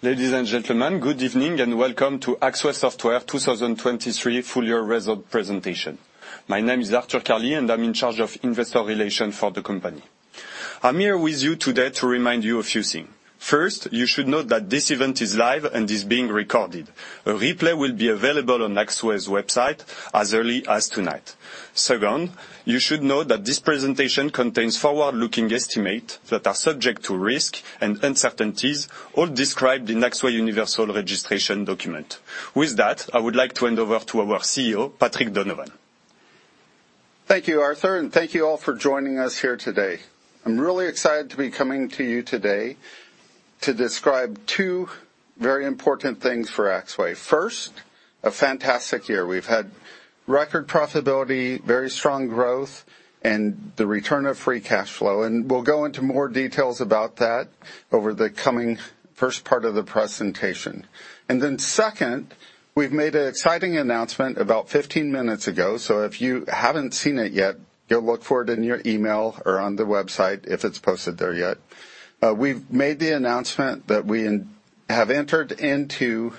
Ladies and gentlemen, good evening and welcome to Axway Software 2023 Full Year Result Presentation. My name is Arthur Carli, and I'm in charge of investor relations for the company. I'm here with you today to remind you a few things. First, you should know that this event is live and is being recorded. A replay will be available on Axway Software's website as early as tonight. Second, you should know that this presentation contains forward-looking estimates that are subject to risk and uncertainties, all described in Axway Software Universal Registration Document. With that, I would like to hand over to our CEO, Patrick Donovan. Thank you, Arthur, and thank you all for joining us here today. I'm really excited to be coming to you today to describe two very important things for Axway. First, a fantastic year. We've had record profitability, very strong growth, and the return of free cash flow, and we'll go into more details about that over the coming first part of the presentation. Then second, we've made an exciting announcement about 15 minutes ago, so if you haven't seen it yet, go look for it in your email or on the website if it's posted there yet. We've made the announcement that we have entered into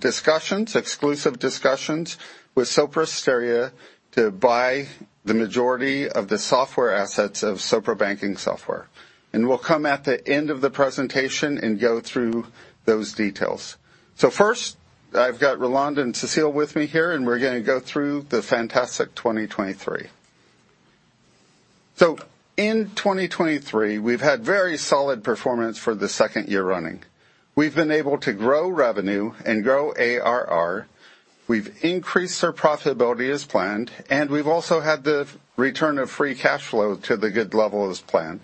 discussions, exclusive discussions, with Sopra Steria to buy the majority of the software assets of Sopra Banking Software, and we'll come at the end of the presentation and go through those details. So first, I've got Roland and Cécile with me here, and we're going to go through the fantastic 2023. So in 2023, we've had very solid performance for the second year running. We've been able to grow revenue and grow ARR. We've increased our profitability as planned, and we've also had the return of free cash flow to the good level as planned.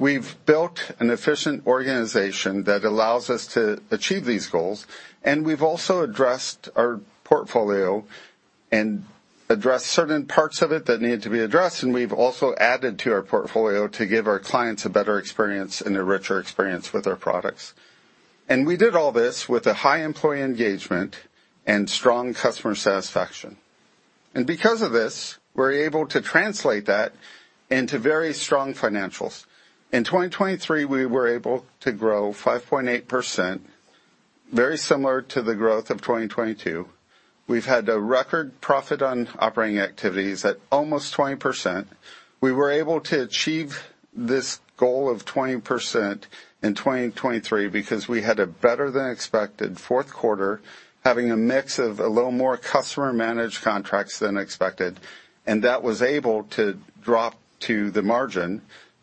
We've built an efficient organization that allows us to achieve these goals, and we've also addressed our portfolio and addressed certain parts of it that needed to be addressed, and we've also added to our portfolio to give our clients a better experience and a richer experience with our products. And we did all this with a high employee engagement and strong customer satisfaction. And because of this, we're able to translate that into very strong financials. In 2023, we were able to grow 5.8%, very similar to the growth of 2022. We've had a record profit on operating activities at almost 20%. We were able to achieve this goal of 20% in 2023 because we had a better-than-expected fourth quarter, having a mix of a little more customer-managed contracts than expected, and that was able to drop to the margin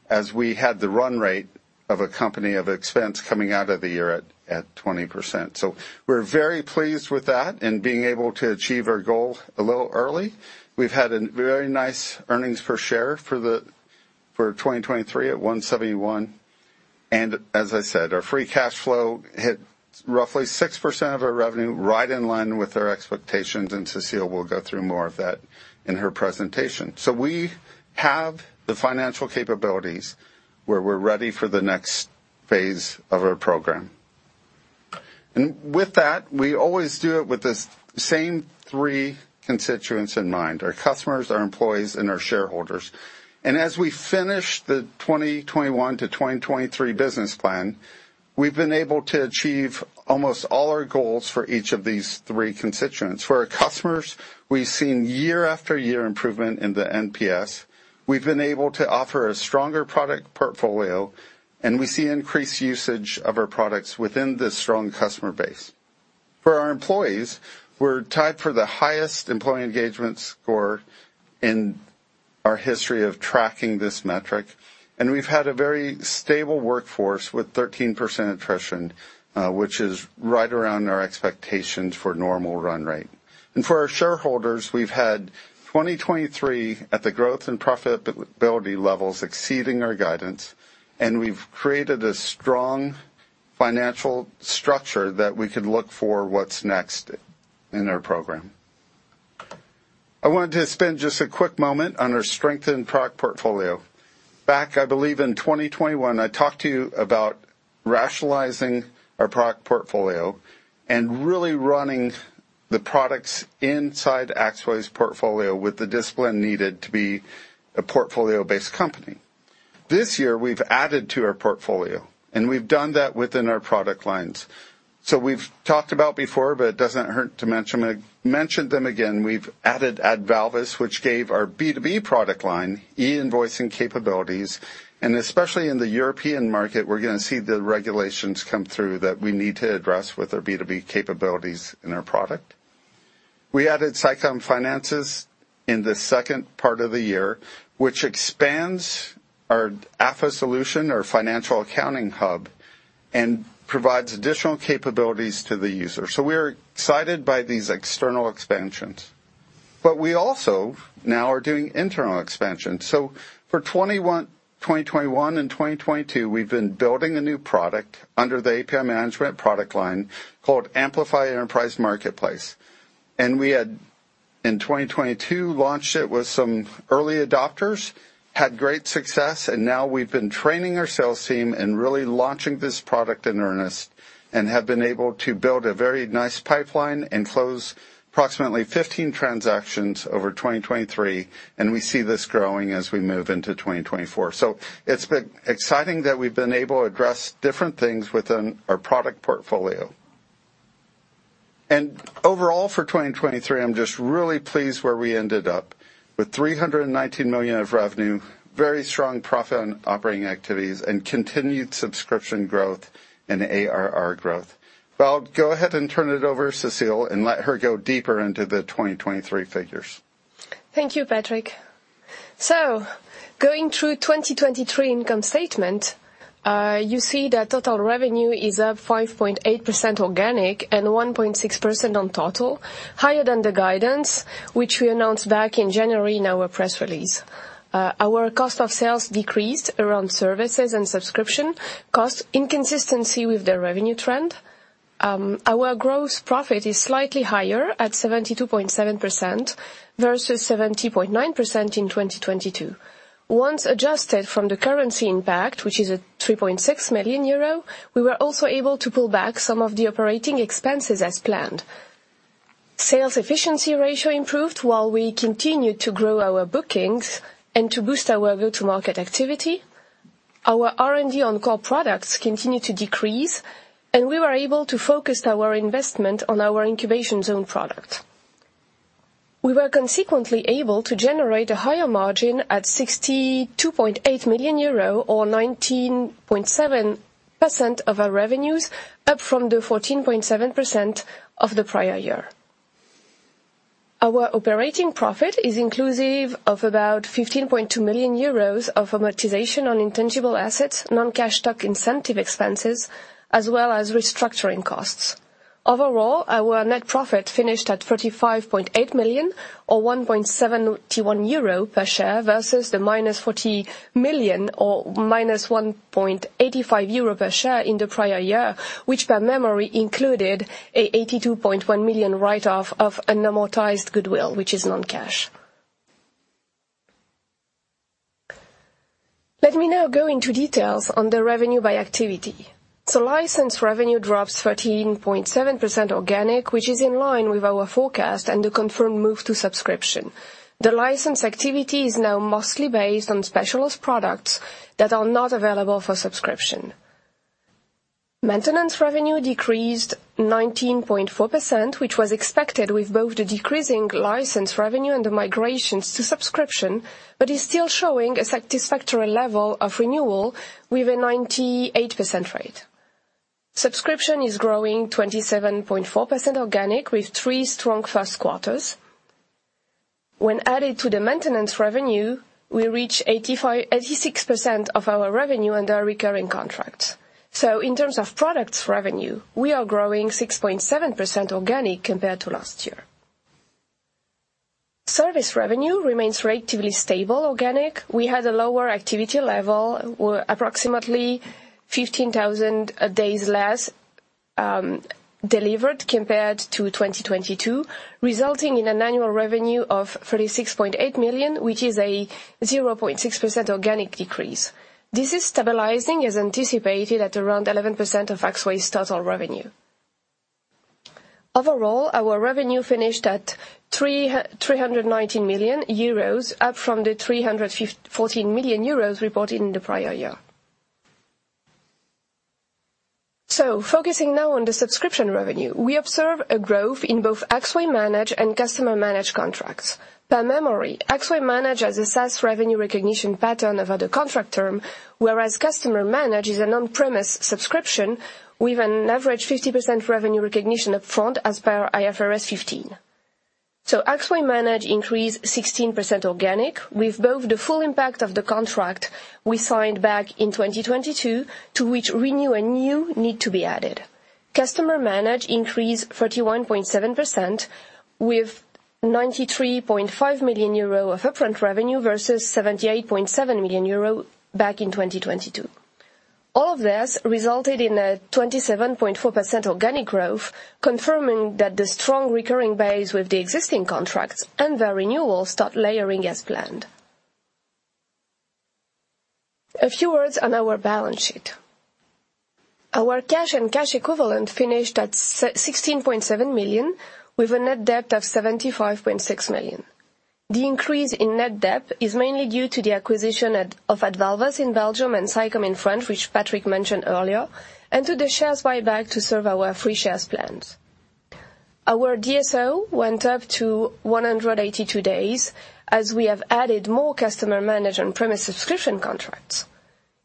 as we had the run rate of a company of expense coming out of the year at 20%. So we're very pleased with that and being able to achieve our goal a little early. We've had a very nice earnings per share for 2023 at 171, and as I said, our free cash flow hit roughly 6% of our revenue, right in line with our expectations, and Cécile will go through more of that in her presentation. So we have the financial capabilities where we're ready for the next phase of our program. And with that, we always do it with the same three constituents in mind: our customers, our employees, and our shareholders. And as we finish the 2022-2023 business plan, we've been able to achieve almost all our goals for each of these three constituents. For our customers, we've seen year-after-year improvement in the NPS. We've been able to offer a stronger product portfolio, and we see increased usage of our products within this strong customer base. For our employees, we're tied for the highest employee engagement score in our history of tracking this metric, and we've had a very stable workforce with 13% attrition, which is right around our expectations for normal run rate. For our shareholders, we've had 2023 at the growth and profitability levels exceeding our guidance, and we've created a strong financial structure that we could look for what's next in our program. I wanted to spend just a quick moment on our strengthened product portfolio. Back, I believe, in 2021, I talked to you about rationalizing our product portfolio and really running the products inside Axway's portfolio with the discipline needed to be a portfolio-based company. This year, we've added to our portfolio, and we've done that within our product lines. So we've talked about before, but it doesn't hurt to mention them again. We've added AdValvas, which gave our B2B product line e-invoicing capabilities, and especially in the European market, we're going to see the regulations come through that we need to address with our B2B capabilities in our product. We added Cycom Finances in the second part of the year, which expands our AFA solution, our financial accounting hub, and provides additional capabilities to the user. So we are excited by these external expansions, but we also now are doing internal expansion. So for 2021 and 2022, we've been building a new product under the API Management product line called Amplify Enterprise Marketplace, and we had, in 2022, launched it with some early adopters, had great success, and now we've been training our sales team and really launching this product in earnest and have been able to build a very nice pipeline and close approximately 15 transactions over 2023, and we see this growing as we move into 2024. So it's been exciting that we've been able to address different things within our product portfolio. Overall, for 2023, I'm just really pleased where we ended up with 319 million of revenue, very strong profit on operating activities, and continued subscription growth and ARR growth. Well, go ahead and turn it over, Cécile, and let her go deeper into the 2023 figures. Thank you, Patrick. Going through 2023 income statement, you see that total revenue is up 5.8% organic and 1.6% on total, higher than the guidance, which we announced back in January in our press release. Our cost of sales decreased in services and subscription costs, consistent with the revenue trend. Our gross profit is slightly higher at 72.7% versus 70.9% in 2022. Once adjusted from the currency impact, which is at 3.6 million euro, we were also able to pull back some of the operating expenses as planned. Sales efficiency ratio improved while we continued to grow our bookings and to boost our go-to-market activity. Our R&D on core products continued to decrease, and we were able to focus our investment on our incubation zone product. We were consequently able to generate a higher margin at 62.8 million euro or 19.7% of our revenues, up from the 14.7% of the prior year. Our operating profit is inclusive of about 15.2 million euros of amortization on intangible assets, non-cash stock incentive expenses, as well as restructuring costs. Overall, our net profit finished at 35.8 million or 1.71 euro per share versus the -40 million or -1.85 euro per share in the prior year, which, per memory, included an 82.1 million write-off of unamortized goodwill, which is non-cash. Let me now go into details on the revenue by activity. So license revenue drops 13.7% organic, which is in line with our forecast and the confirmed move to subscription. The license activity is now mostly based on specialist products that are not available for subscription. Maintenance revenue decreased 19.4%, which was expected with both the decreasing license revenue and the migrations to subscription, but is still showing a satisfactory level of renewal with a 98% rate. Subscription is growing 27.4% organic with three strong first quarters. When added to the maintenance revenue, we reach 86% of our revenue under recurring contracts. So in terms of products revenue, we are growing 6.7% organic compared to last year. Service revenue remains relatively stable organic. We had a lower activity level, approximately 15,000 days less delivered compared to 2022, resulting in an annual revenue of 36.8 million, which is a 0.6% organic decrease. This is stabilizing, as anticipated, at around 11% of Axway's total revenue. Overall, our revenue finished at 319 million euros, up from the 314 million euros reported in the prior year. So focusing now on the subscription revenue, we observe a growth in both Axway Managed and Customer-managed contracts. Per memory, Axway Managed has a SaaS revenue recognition pattern over the contract term, whereas Customer-managed is an on-premise subscription with an average 50% revenue recognition upfront as per IFRS 15. So Axway Managed increased 16% organic with both the full impact of the contract we signed back in 2022 to which renew and new need to be added. Customer-managed increased 31.7% with 93.5 million euro of upfront revenue versus 78.7 million euro back in 2022. All of this resulted in a 27.4% organic growth, confirming that the strong recurring base with the existing contracts and their renewals start layering as planned. A few words on our balance sheet. Our cash and cash equivalent finished at 16.7 million with a net debt of 75.6 million. The increase in net debt is mainly due to the acquisition of AdValvas in Belgium and Cycom in France, which Patrick mentioned earlier, and to the shares buyback to serve our free shares plans. Our DSO went up to 182 days as we have added more customer-managed on-premise subscription contracts.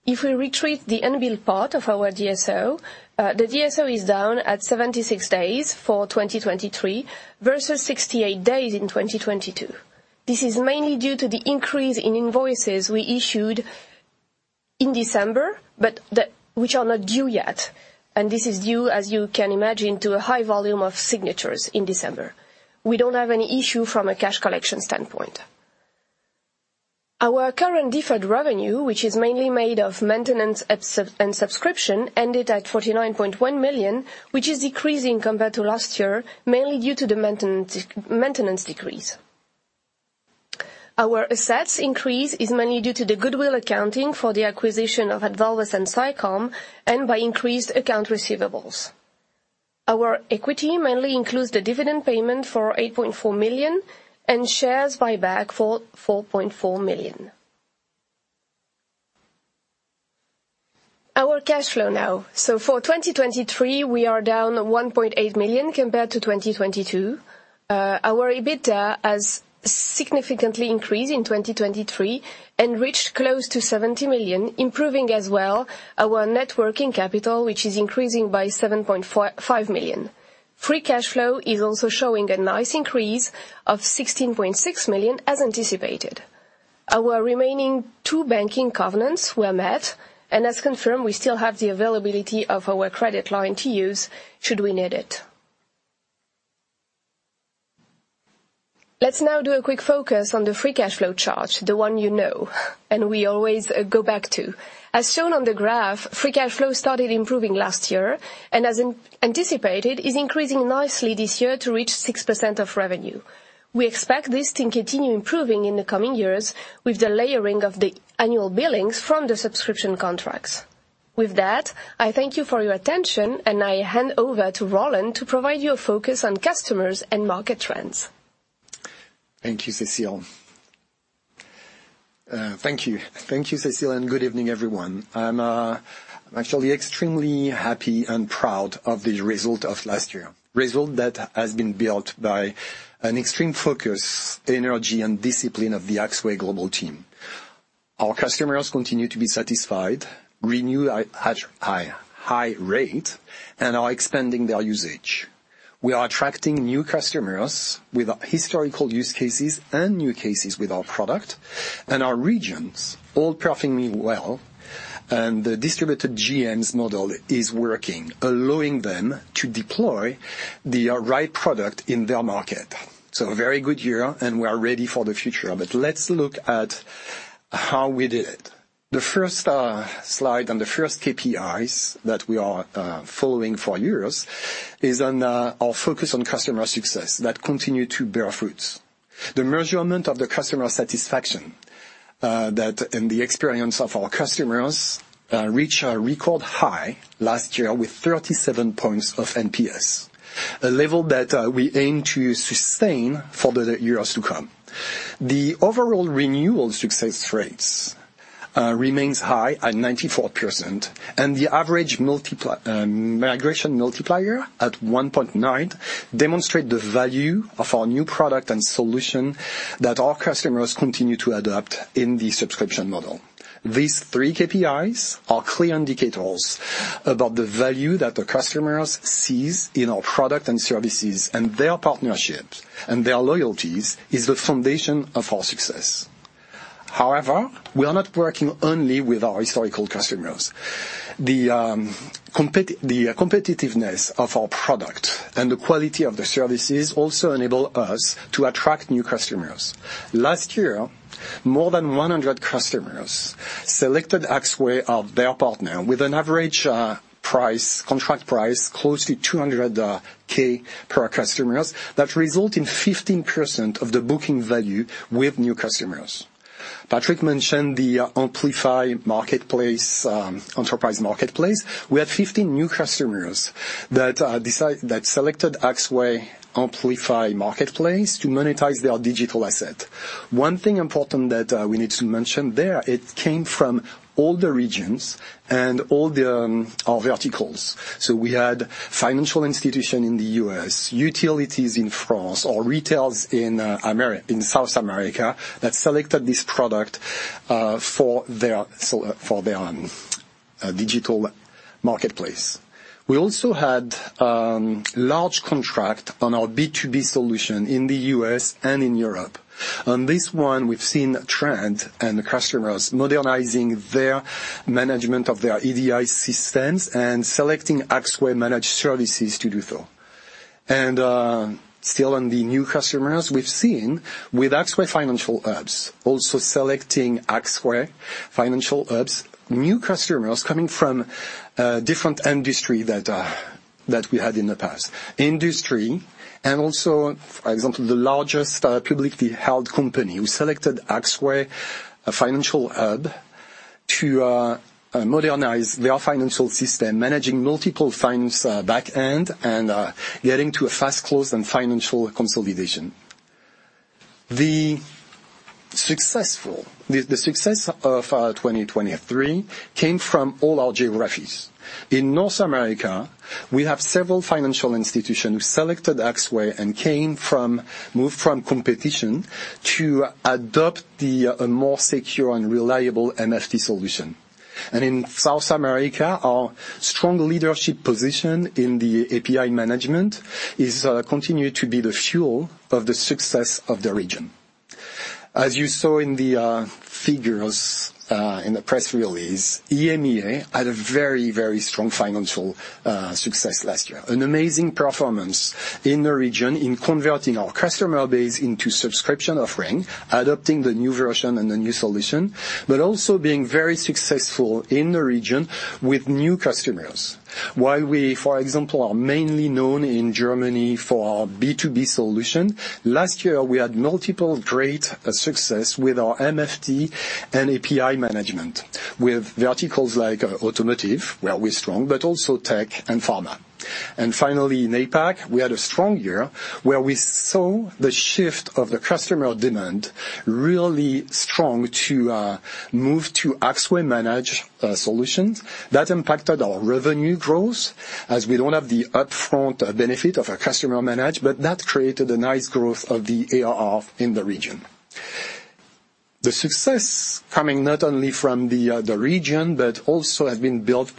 If we remove the unbilled part of our DSO, the DSO is down at 76 days for 2023 versus 68 days in 2022. This is mainly due to the increase in invoices we issued in December, but which are not due yet, and this is due, as you can imagine, to a high volume of signatures in December. We don't have any issue from a cash collection standpoint. Our current deferred revenue, which is mainly made of maintenance and subscription, ended at 49.1 million, which is decreasing compared to last year, mainly due to the maintenance decrease. Our assets increase is mainly due to the goodwill accounting for the acquisition of AdValvas and Cycom and by increased accounts receivable. Our equity mainly includes the dividend payment for 8.4 million and shares buyback for 4.4 million. Our cash flow now. So for 2023, we are down 1.8 million compared to 2022. Our EBITDA has significantly increased in 2023 and reached close to 70 million, improving as well our net working capital, which is increasing by 7.5 million. Free cash flow is also showing a nice increase of 16.6 million, as anticipated. Our remaining two banking covenants were met, and as confirmed, we still have the availability of our credit line to use should we need it. Let's now do a quick focus on the free cash flow chart, the one you know and we always go back to. As shown on the graph, free cash flow started improving last year and, as anticipated, is increasing nicely this year to reach 6% of revenue. We expect this to continue improving in the coming years with the layering of the annual billings from the subscription contracts. With that, I thank you for your attention, and I hand over to Roland to provide you a focus on customers and market trends. Thank you, Cécile. Thank you. Thank you, Cécile, and good evening, everyone. I'm actually extremely happy and proud of the result of last year, result that has been built by an extreme focus, energy, and discipline of the Axway Global team. Our customers continue to be satisfied, renew at a high rate, and are expanding their usage. We are attracting new customers with historical use cases and new cases with our product, and our regions all performing well, and the distributed GM's model is working, allowing them to deploy the right product in their market. So a very good year, and we are ready for the future, but let's look at how we did it. The first slide on the first KPIs that we are following for years is on our focus on customer success that continued to bear fruit. The measurement of the customer satisfaction and the experience of our customers reached a record high last year with 37 points of NPS, a level that we aim to sustain for the years to come. The overall renewal success rates remain high at 94%, and the average migration multiplier at 1.9 demonstrates the value of our new product and solution that our customers continue to adopt in the subscription model. These three KPIs are clear indicators about the value that the customers see in our product and services, and their partnerships and their loyalties are the foundation of our success. However, we are not working only with our historical customers. The competitiveness of our product and the quality of the services also enable us to attract new customers. Last year, more than 100 customers selected Axway as their partner with an average contract price close to 200,000 per customer that resulted in 15% of the booking value with new customers. Patrick mentioned the Amplify Enterprise Marketplace. We had 15 new customers that selected Axway Amplify Marketplace to monetize their digital asset. One thing important that we need to mention there, it came from all the regions and all our verticals. So we had financial institutions in the U.S., utilities in France, or retailers in South America that selected this product for their digital marketplace. We also had large contracts on our B2B solution in the U.S. and in Europe. On this one, we've seen trends and customers modernizing their management of their EDI systems and selecting Axway Managed Services to do so. Still on the new customers, we've seen, with Axway Financial Hubs, also selecting Axway Financial Hubs, new customers coming from different industries that we had in the past. Industry and also, for example, the largest publicly held company who selected Axway Financial Hub to modernize their financial system, managing multiple finance back-ends, and getting to a fast-closed and financial consolidation. The success of 2023 came from all our geographies. In North America, we have several financial institutions who selected Axway and moved from competition to adopt a more secure and reliable MFT solution. In South America, our strong leadership position in the API management continues to be the fuel of the success of the region. As you saw in the figures in the press release, EMEA had a very, very strong financial success last year, an amazing performance in the region in converting our customer base into subscription offerings, adopting the new version and the new solution, but also being very successful in the region with new customers. While we, for example, are mainly known in Germany for our B2B solution, last year, we had multiple great successes with our MFT and API management with verticals like automotive, where we're strong, but also tech and pharma. And finally, in APAC, we had a strong year where we saw the shift of the customer demand really strong to move to Axway Managed solutions that impacted our revenue growth, as we don't have the upfront benefit of a customer-managed, but that created a nice growth of the ARR in the region. The success coming not only from the region but also has been built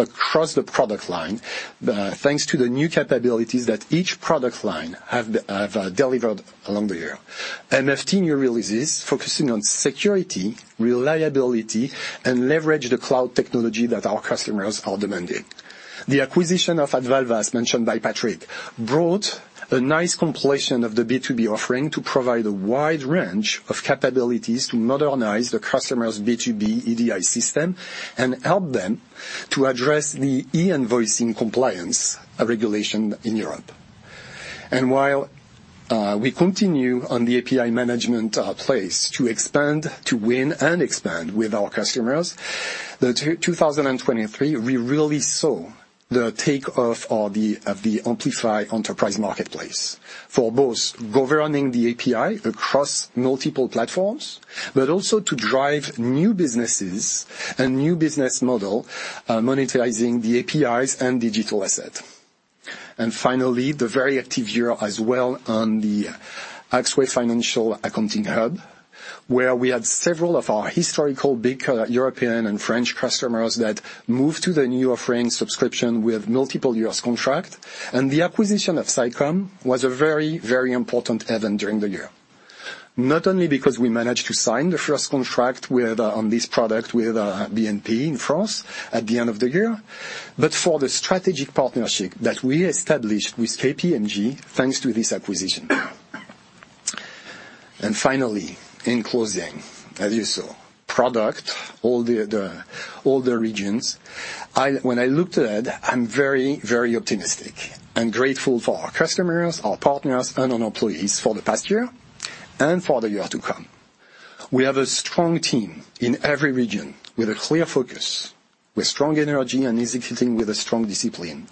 across the product line thanks to the new capabilities that each product line has delivered along the year. MFT new releases focusing on security, reliability, and leverage the cloud technology that our customers are demanding. The acquisition of AdValvas, mentioned by Patrick, brought a nice completion of the B2B offering to provide a wide range of capabilities to modernize the customer's B2B EDI system and help them to address the e-invoicing compliance regulation in Europe. While we continue on the API management platform to win and expand with our customers, in 2023, we really saw the takeoff of the Amplify Enterprise Marketplace for both governing the API across multiple platforms but also to drive new businesses and new business models monetizing the APIs and digital assets. And finally, the very active year as well on the Axway Financial Accounting Hub, where we had several of our historical big European and French customers that moved to the new offering subscription with multiple years' contracts, and the acquisition of Cycom was a very, very important event during the year, not only because we managed to sign the first contract on this product with BNP in France at the end of the year but for the strategic partnership that we established with KPMG thanks to this acquisition. And finally, in closing, as you saw, product, all the regions, when I looked ahead, I'm very, very optimistic and grateful for our customers, our partners, and our employees for the past year and for the year to come. We have a strong team in every region with a clear focus, with strong energy and executing with a strong discipline.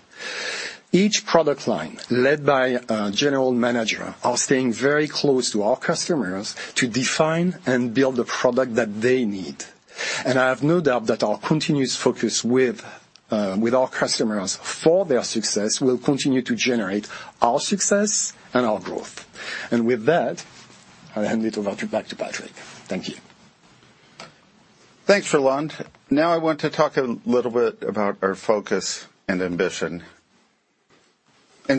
Each product line led by a general manager is staying very close to our customers to define and build the product that they need. I have no doubt that our continuous focus with our customers for their success will continue to generate our success and our growth. With that, I hand it back to Patrick. Thank you. Thanks, Roland. Now, I want to talk a little bit about our focus and ambition.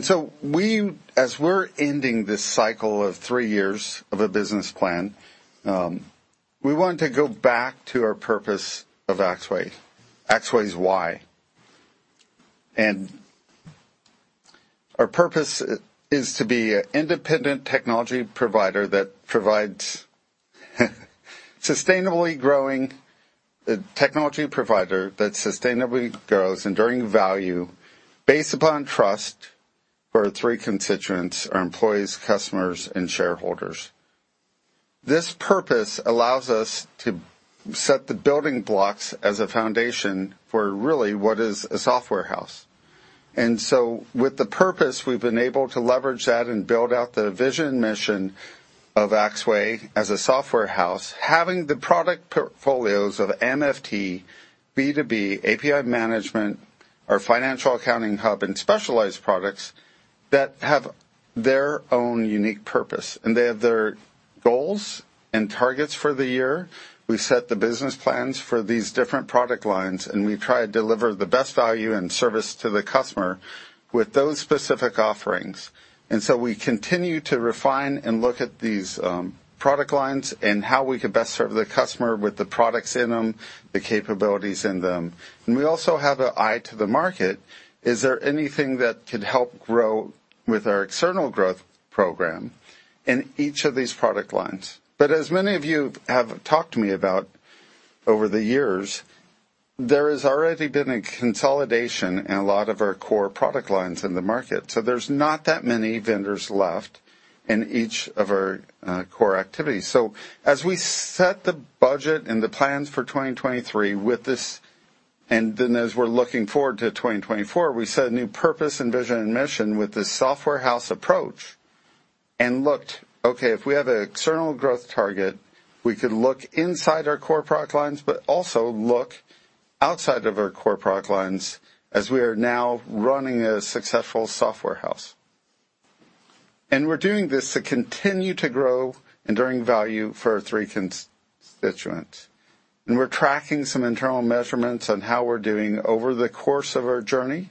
So as we're ending this cycle of three years of a business plan, we want to go back to our purpose of Axway. Axway is why. And our purpose is to be an independent technology provider that provides sustainably growing technology provider that sustainably grows, enduring value based upon trust for three constituents: our employees, customers, and shareholders. This purpose allows us to set the building blocks as a foundation for really what is a software house. And so with the purpose, we've been able to leverage that and build out the vision mission of Axway as a software house, having the product portfolios of MFT, B2B, API management, our Financial Accounting Hub, and specialized products that have their own unique purpose. And they have their goals and targets for the year. We set the business plans for these different product lines, and we try to deliver the best value and service to the customer with those specific offerings. And so we continue to refine and look at these product lines and how we could best serve the customer with the products in them, the capabilities in them. And we also have an eye to the market. Is there anything that could help grow with our external growth program in each of these product lines? But as many of you have talked to me about over the years, there has already been a consolidation in a lot of our core product lines in the market. So there's not that many vendors left in each of our core activities. So as we set the budget and the plans for 2023 with this and then as we're looking forward to 2024, we set a new purpose and vision and mission with this software house approach and looked, "Okay, if we have an external growth target, we could look inside our core product lines but also look outside of our core product lines as we are now running a successful software house." And we're doing this to continue to grow, enduring value for our three constituents. And we're tracking some internal measurements on how we're doing over the course of our journey,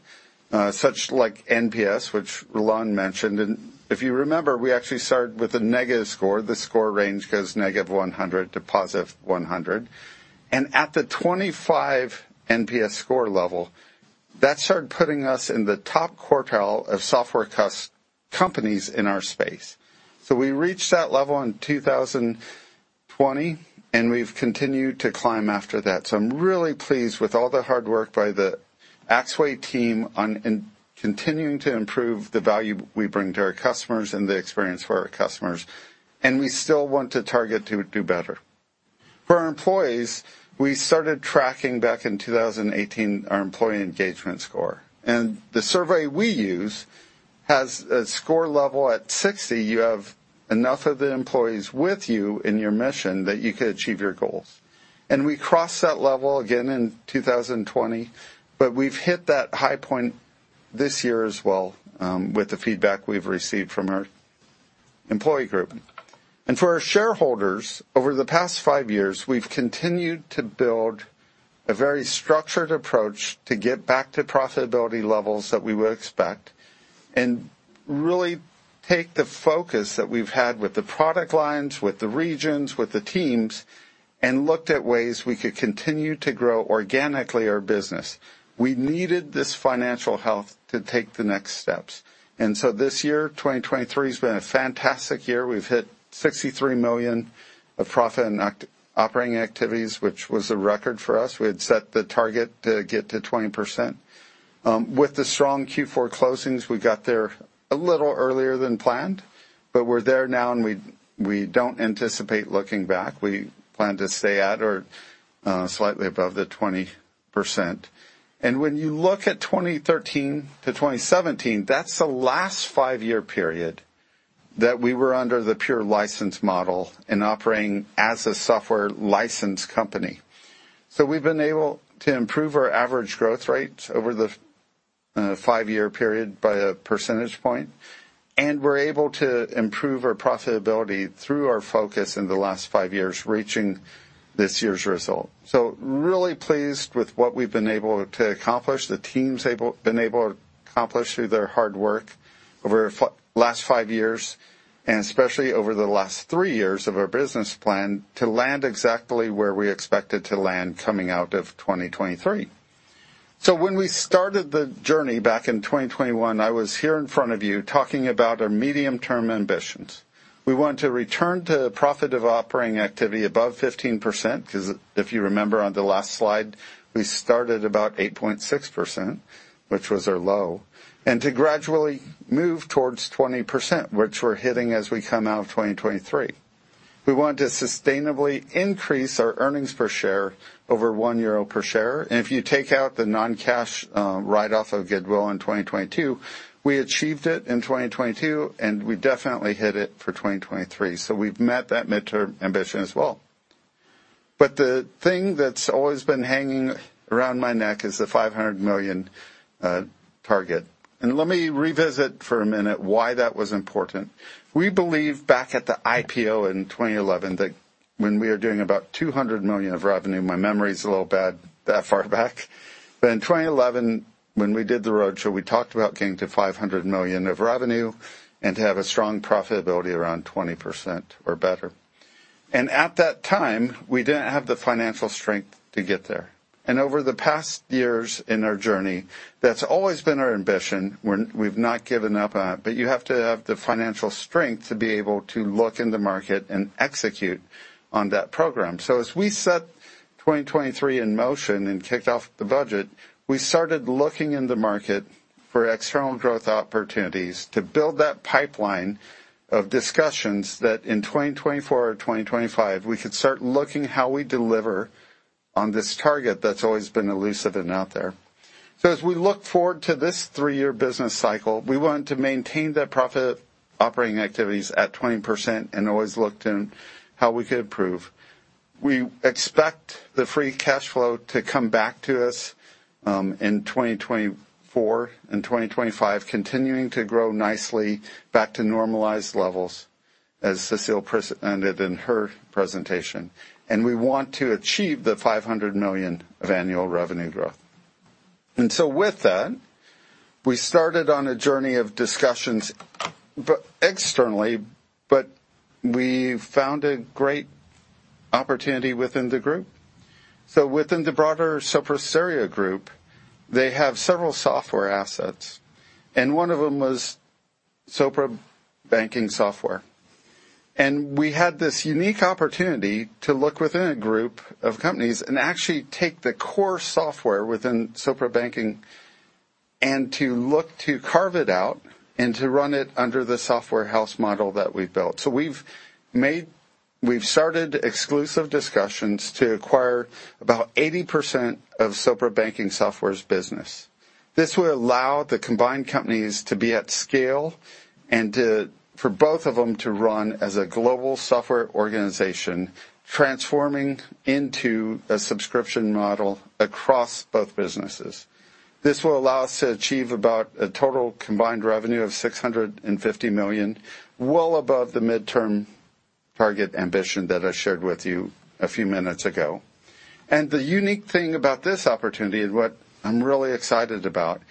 such as NPS, which Roland mentioned. And if you remember, we actually started with a negative score. The score range goes -100 to +100. And at the 25 NPS score level, that started putting us in the top quartile of software companies in our space. So we reached that level in 2020, and we've continued to climb after that. So I'm really pleased with all the hard work by the Axway team on continuing to improve the value we bring to our customers and the experience for our customers. And we still want to target to do better. For our employees, we started tracking back in 2018 our employee engagement score. And the survey we use has a score level at 60. You have enough of the employees with you in your mission that you could achieve your goals. And we crossed that level again in 2020, but we've hit that high point this year as well with the feedback we've received from our employee group. For our shareholders, over the past five years, we've continued to build a very structured approach to get back to profitability levels that we would expect and really take the focus that we've had with the product lines, with the regions, with the teams, and looked at ways we could continue to grow organically our business. We needed this financial health to take the next steps. So this year, 2023, has been a fantastic year. We've hit 63 million of profit in operating activities, which was a record for us. We had set the target to get to 20%. With the strong Q4 closings, we got there a little earlier than planned, but we're there now, and we don't anticipate looking back. We plan to stay at or slightly above the 20%. When you look at 2013 to 2017, that's the last five-year period that we were under the pure license model and operating as a software licensed company. So we've been able to improve our average growth rate over the five-year period by a percentage point, and we're able to improve our profitability through our focus in the last five years, reaching this year's result. So really pleased with what we've been able to accomplish, the team's been able to accomplish through their hard work over the last five years and especially over the last three years of our business plan to land exactly where we expected to land coming out of 2023. So when we started the journey back in 2021, I was here in front of you talking about our medium-term ambitions. We want to return to profitable operating activity above 15% because, if you remember on the last slide, we started about 8.6%, which was our low, and to gradually move towards 20%, which we're hitting as we come out of 2023. We want to sustainably increase our earnings per share over 1 euro per share. And if you take out the non-cash write-off of Goodwill in 2022, we achieved it in 2022, and we definitely hit it for 2023. So we've met that midterm ambition as well. But the thing that's always been hanging around my neck is the 500 million target. And let me revisit for a minute why that was important. We believe back at the IPO in 2011 that when we were doing about 200 million of revenue, my memory's a little bad that far back, but in 2011, when we did the roadshow, we talked about getting to 500 million of revenue and to have a strong profitability around 20% or better. At that time, we didn't have the financial strength to get there. Over the past years in our journey, that's always been our ambition. We've not given up on it, but you have to have the financial strength to be able to look in the market and execute on that program. So as we set 2023 in motion and kicked off the budget, we started looking in the market for external growth opportunities to build that pipeline of discussions that in 2024 or 2025, we could start looking how we deliver on this target that's always been elusive and out there. So as we look forward to this 3-year business cycle, we want to maintain that profit operating activities at 20% and always look to how we could improve. We expect the free cash flow to come back to us in 2024 and 2025, continuing to grow nicely back to normalized levels, as Cécile presented in her presentation. And we want to achieve 500 million of annual revenue growth. And so with that, we started on a journey of discussions externally, but we found a great opportunity within the group. So within the broader Sopra Steria Group, they have several software assets, and one of them was Sopra Banking Software. We had this unique opportunity to look within a group of companies and actually take the core software within Sopra Banking Software and to look to carve it out and to run it under the software house model that we've built. We've started exclusive discussions to acquire about 80% of Sopra Banking Software's business. This would allow the combined companies to be at scale and for both of them to run as a global software organization, transforming into a subscription model across both businesses. This will allow us to achieve about a total combined revenue of 650 million, well above the midterm target ambition that I shared with you a few minutes ago. And the unique thing about this opportunity and what I'm really excited about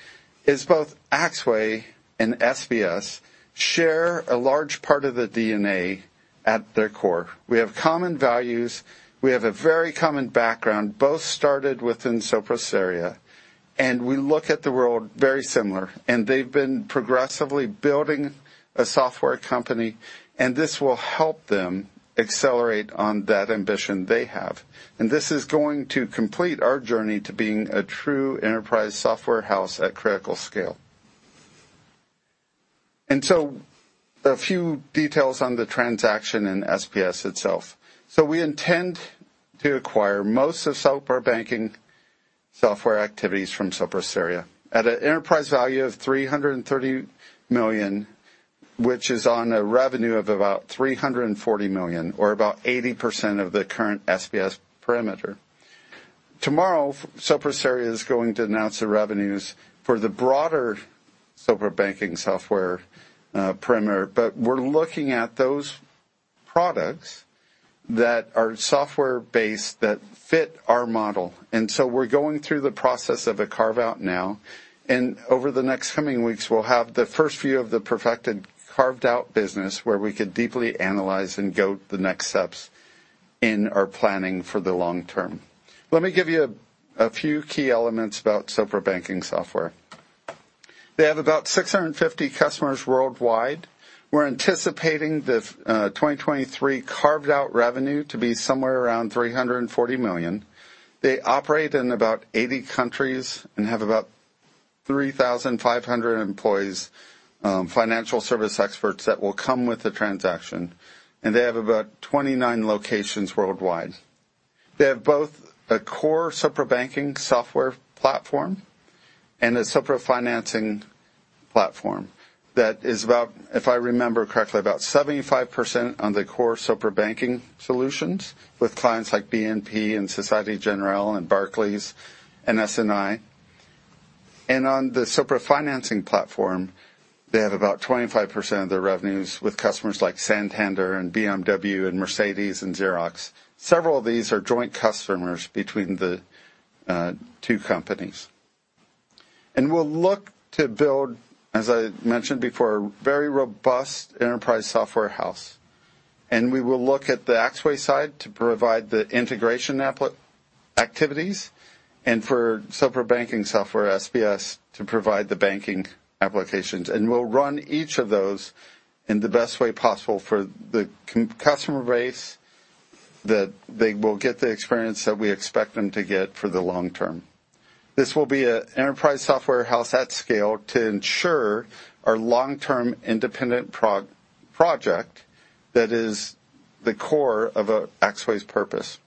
is both Axway and SBS share a large part of the DNA at their core. We have common values. We have a very common background. Both started within Sopra Steria, and we look at the world very similar. And they've been progressively building a software company, and this will help them accelerate on that ambition they have. And this is going to complete our journey to being a true enterprise software house at critical scale. And so a few details on the transaction in SBS itself. So we intend to acquire most of Sopra Banking Software activities from Sopra Steria at an enterprise value of 330 million, which is on a revenue of about 340 million or about 80% of the current SBS perimeter. Tomorrow, Sopra Steria is going to announce the revenues for the broader Sopra Banking Software perimeter, but we're looking at those products that are software-based that fit our model. So we're going through the process of a carve-out now. Over the next coming weeks, we'll have the first few of the perfected carved-out business where we could deeply analyze and go the next steps in our planning for the long term. Let me give you a few key elements about Sopra Banking Software. They have about 650 customers worldwide. We're anticipating the 2023 carved-out revenue to be somewhere around 340 million. They operate in about 80 countries and have about 3,500 employees, financial service experts that will come with the transaction. They have about 29 locations worldwide. They have both a core Sopra Banking Software platform and a Sopra Financing Platform that is about, if I remember correctly, about 75% on the core Sopra Banking Software solutions with clients like BNP and Société Générale and Barclays and S&I. On the Sopra Financing Platform, they have about 25% of their revenues with customers like Santander and BMW and Mercedes and Xerox. Several of these are joint customers between the two companies. We'll look to build, as I mentioned before, a very robust enterprise software house. We will look at the Axway side to provide the integration activities and for Sopra Banking Software, SBS, to provide the banking applications. We'll run each of those in the best way possible for the customer base that they will get the experience that we expect them to get for the long term. This will be an enterprise software house at scale to ensure our long-term independent project that is the core of Axway's purpose.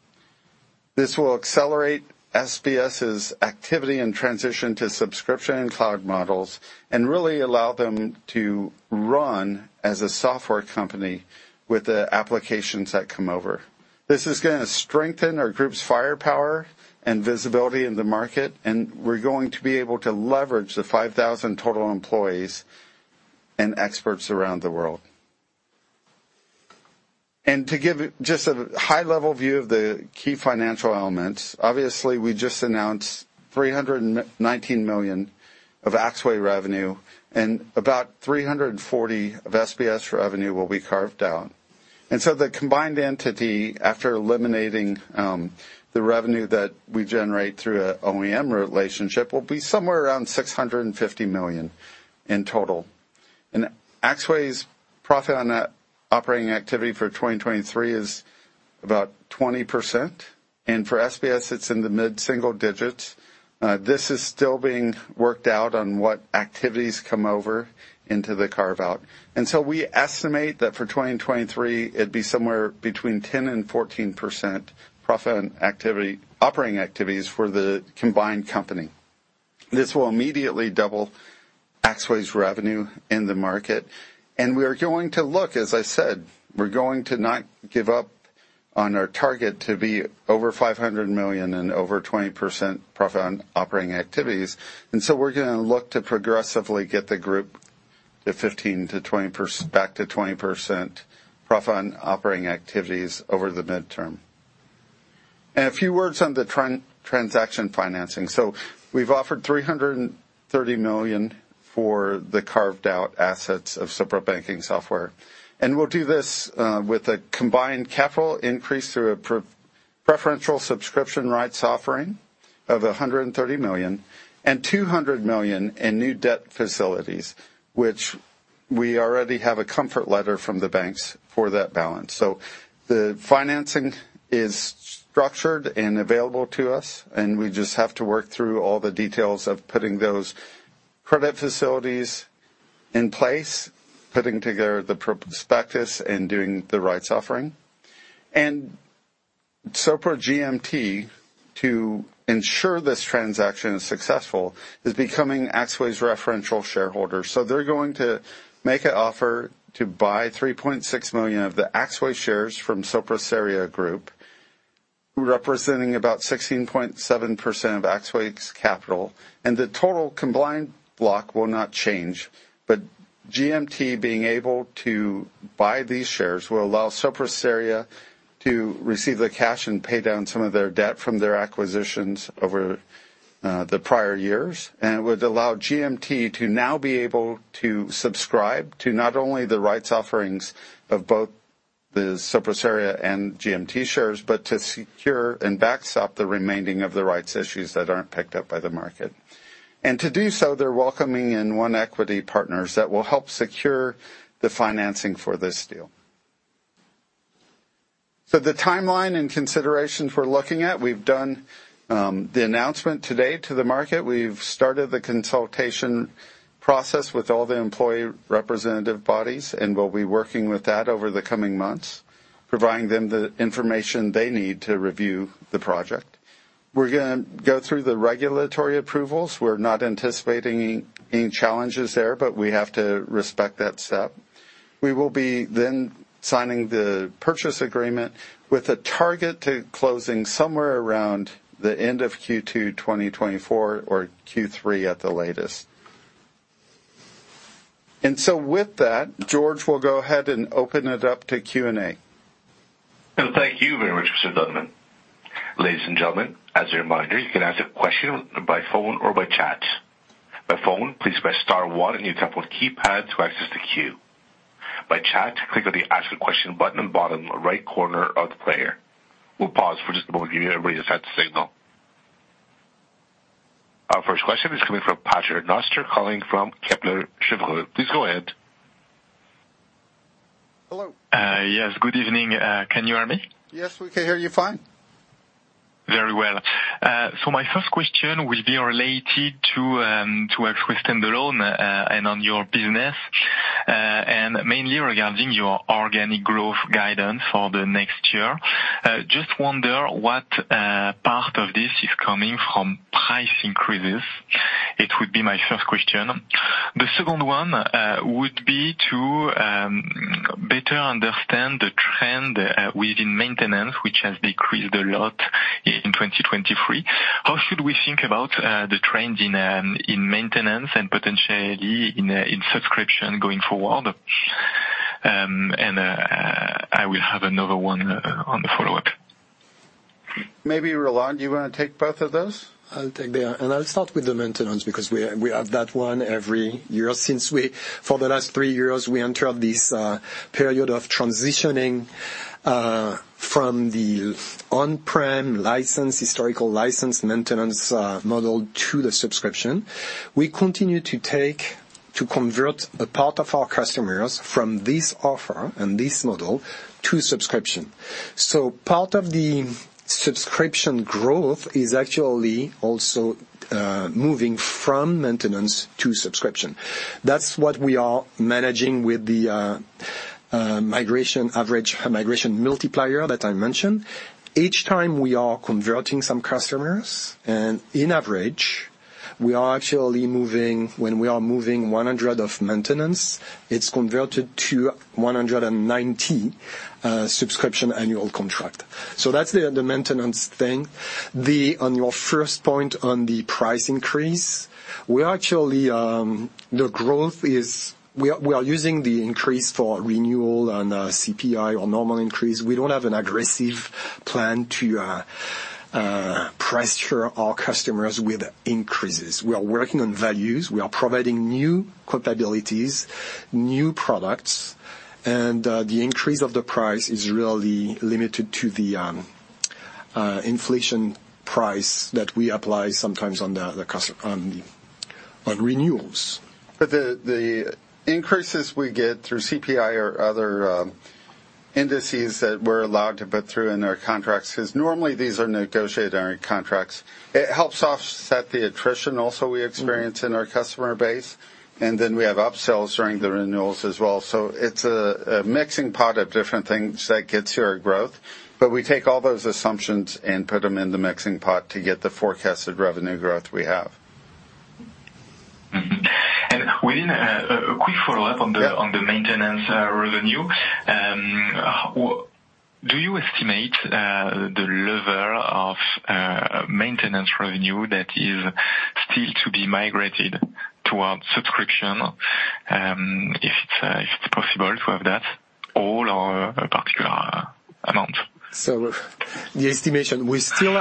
This will accelerate SBS's activity and transition to subscription and cloud models and really allow them to run as a software company with the applications that come over. This is going to strengthen our group's firepower and visibility in the market, and we're going to be able to leverage the 5,000 total employees and experts around the world. And to give just a high-level view of the key financial elements, obviously, we just announced 319 million of Axway revenue, and about 340 million of SBS revenue will be carved out. And so the combined entity, after eliminating the revenue that we generate through an OEM relationship, will be somewhere around 650 million in total. And Axway's profit on operating activity for 2023 is about 20%. For SBS, it's in the mid-single digits. This is still being worked out on what activities come over into the carve-out. We estimate that for 2023, it'd be somewhere between 10%-14% profit on operating activities for the combined company. This will immediately double Axway's revenue in the market. We are going to look, as I said, we're going to not give up on our target to be over 500 million and over 20% profit on operating activities. We're going to look to progressively get the group to 15%-20% back to 20% profit on operating activities over the midterm. A few words on the transaction financing. We've offered 330 million for the carved-out assets of Sopra Banking Software. We'll do this with a combined capital increase through a preferential subscription rights offering of 130 million and 200 million in new debt facilities, which we already have a comfort letter from the banks for that balance. So the financing is structured and available to us, and we just have to work through all the details of putting those credit facilities in place, putting together the prospectus, and doing the rights offering. Sopra GMT, to ensure this transaction is successful, is becoming Axway's reference shareholder. So they're going to make an offer to buy 3.6 million of the Axway shares from Sopra Steria group, representing about 16.7% of Axway's capital. The total combined block will not change, but Sopra GMT being able to buy these shares will allow Sopra Steria to receive the cash and pay down some of their debt from their acquisitions over the prior years. It would allow Sopra GMT to now be able to subscribe to not only the rights offerings of both the Sopra Steria and Sopra GMT shares but to secure and backstop the remaining of the rights issues that aren't picked up by the market. To do so, they're welcoming in One Equity Partners that will help secure the financing for this deal. The timeline and considerations we're looking at, we've done the announcement today to the market. We've started the consultation process with all the employee representative bodies, and we'll be working with that over the coming months, providing them the information they need to review the project. We're going to go through the regulatory approvals. We're not anticipating any challenges there, but we have to respect that step. We will be then signing the purchase agreement with a target to closing somewhere around the end of Q2 2024 or Q3 at the latest. And so with that, George will go ahead and open it up to Q&A. Thank you very much, Mr. Donovan. Ladies and gentlemen, as a reminder, you can ask a question by phone or by chat. By phone, please press star one and you'll tap on keypad to access the queue. By chat, click on the ask a question button in the bottom right corner of the player. We'll pause for just a moment to give everybody a signal. Our first question is coming from Patrick Steiner calling from Kepler Cheuvreux. Please go ahead. Hello. Yes. Good evening. Can you hear me? Yes. We can hear you fine. Very well. So my first question will be related to Axway standalone and on your business and mainly regarding your organic growth guidance for the next year. Just wonder what part of this is coming from price increases. It would be my first question. The second one would be to better understand the trend within maintenance, which has decreased a lot in 2023. How should we think about the trends in maintenance and potentially in subscription going forward? And I will have another one on the follow-up. Maybe, Roland, you want to take both of those? I'll take that and I'll start with the maintenance because we have that one every year since, for the last 3 years, we entered this period of transitioning from the on-prem license historical license maintenance model to the subscription. We continue to convert a part of our customers from this offer and this model to subscription. So part of the subscription growth is actually also moving from maintenance to subscription. That's what we are managing with the average migration multiplier that I mentioned. Each time we are converting some customers, and on average, we are actually moving when we are moving 100 of maintenance; it's converted to 190 subscription annual contract. So that's the maintenance thing. On your first point on the price increase, we are actually; the growth is we are using the increase for renewal and CPI or normal increase. We don't have an aggressive plan to pressure our customers with increases. We are working on values. We are providing new capabilities, new products. The increase of the price is really limited to the inflation price that we apply sometimes on renewals. But the increases we get through CPI or other indices that we're allowed to put through in our contracts because normally, these are negotiated under contracts. It helps offset the attrition also we experience in our customer base. And then we have upsells during the renewals as well. So it's a mixing pot of different things that gets your growth. But we take all those assumptions and put them in the mixing pot to get the forecasted revenue growth we have. Within a quick follow-up on the maintenance revenue, do you estimate the level of maintenance revenue that is still to be migrated toward subscription if it's possible to have that all or a particular amount? So the estimation, we still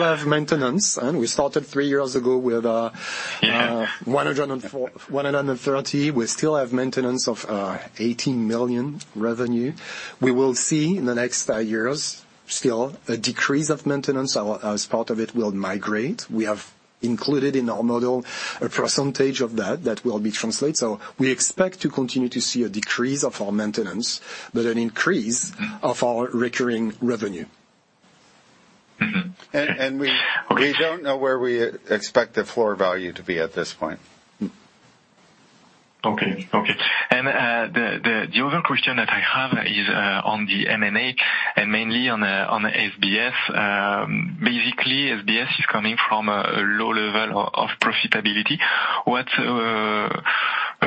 have maintenance. We started three years ago with 130. We still have maintenance of 18 million revenue. We will see in the next years still a decrease of maintenance as part of it will migrate. We have included in our model a percentage of that that will be translated. So we expect to continue to see a decrease of our maintenance but an increase of our recurring revenue. We don't know where we expect the floor value to be at this point. Okay. Okay. And the other question that I have is on the M&A and mainly on SBS. Basically, SBS is coming from a low level of profitability.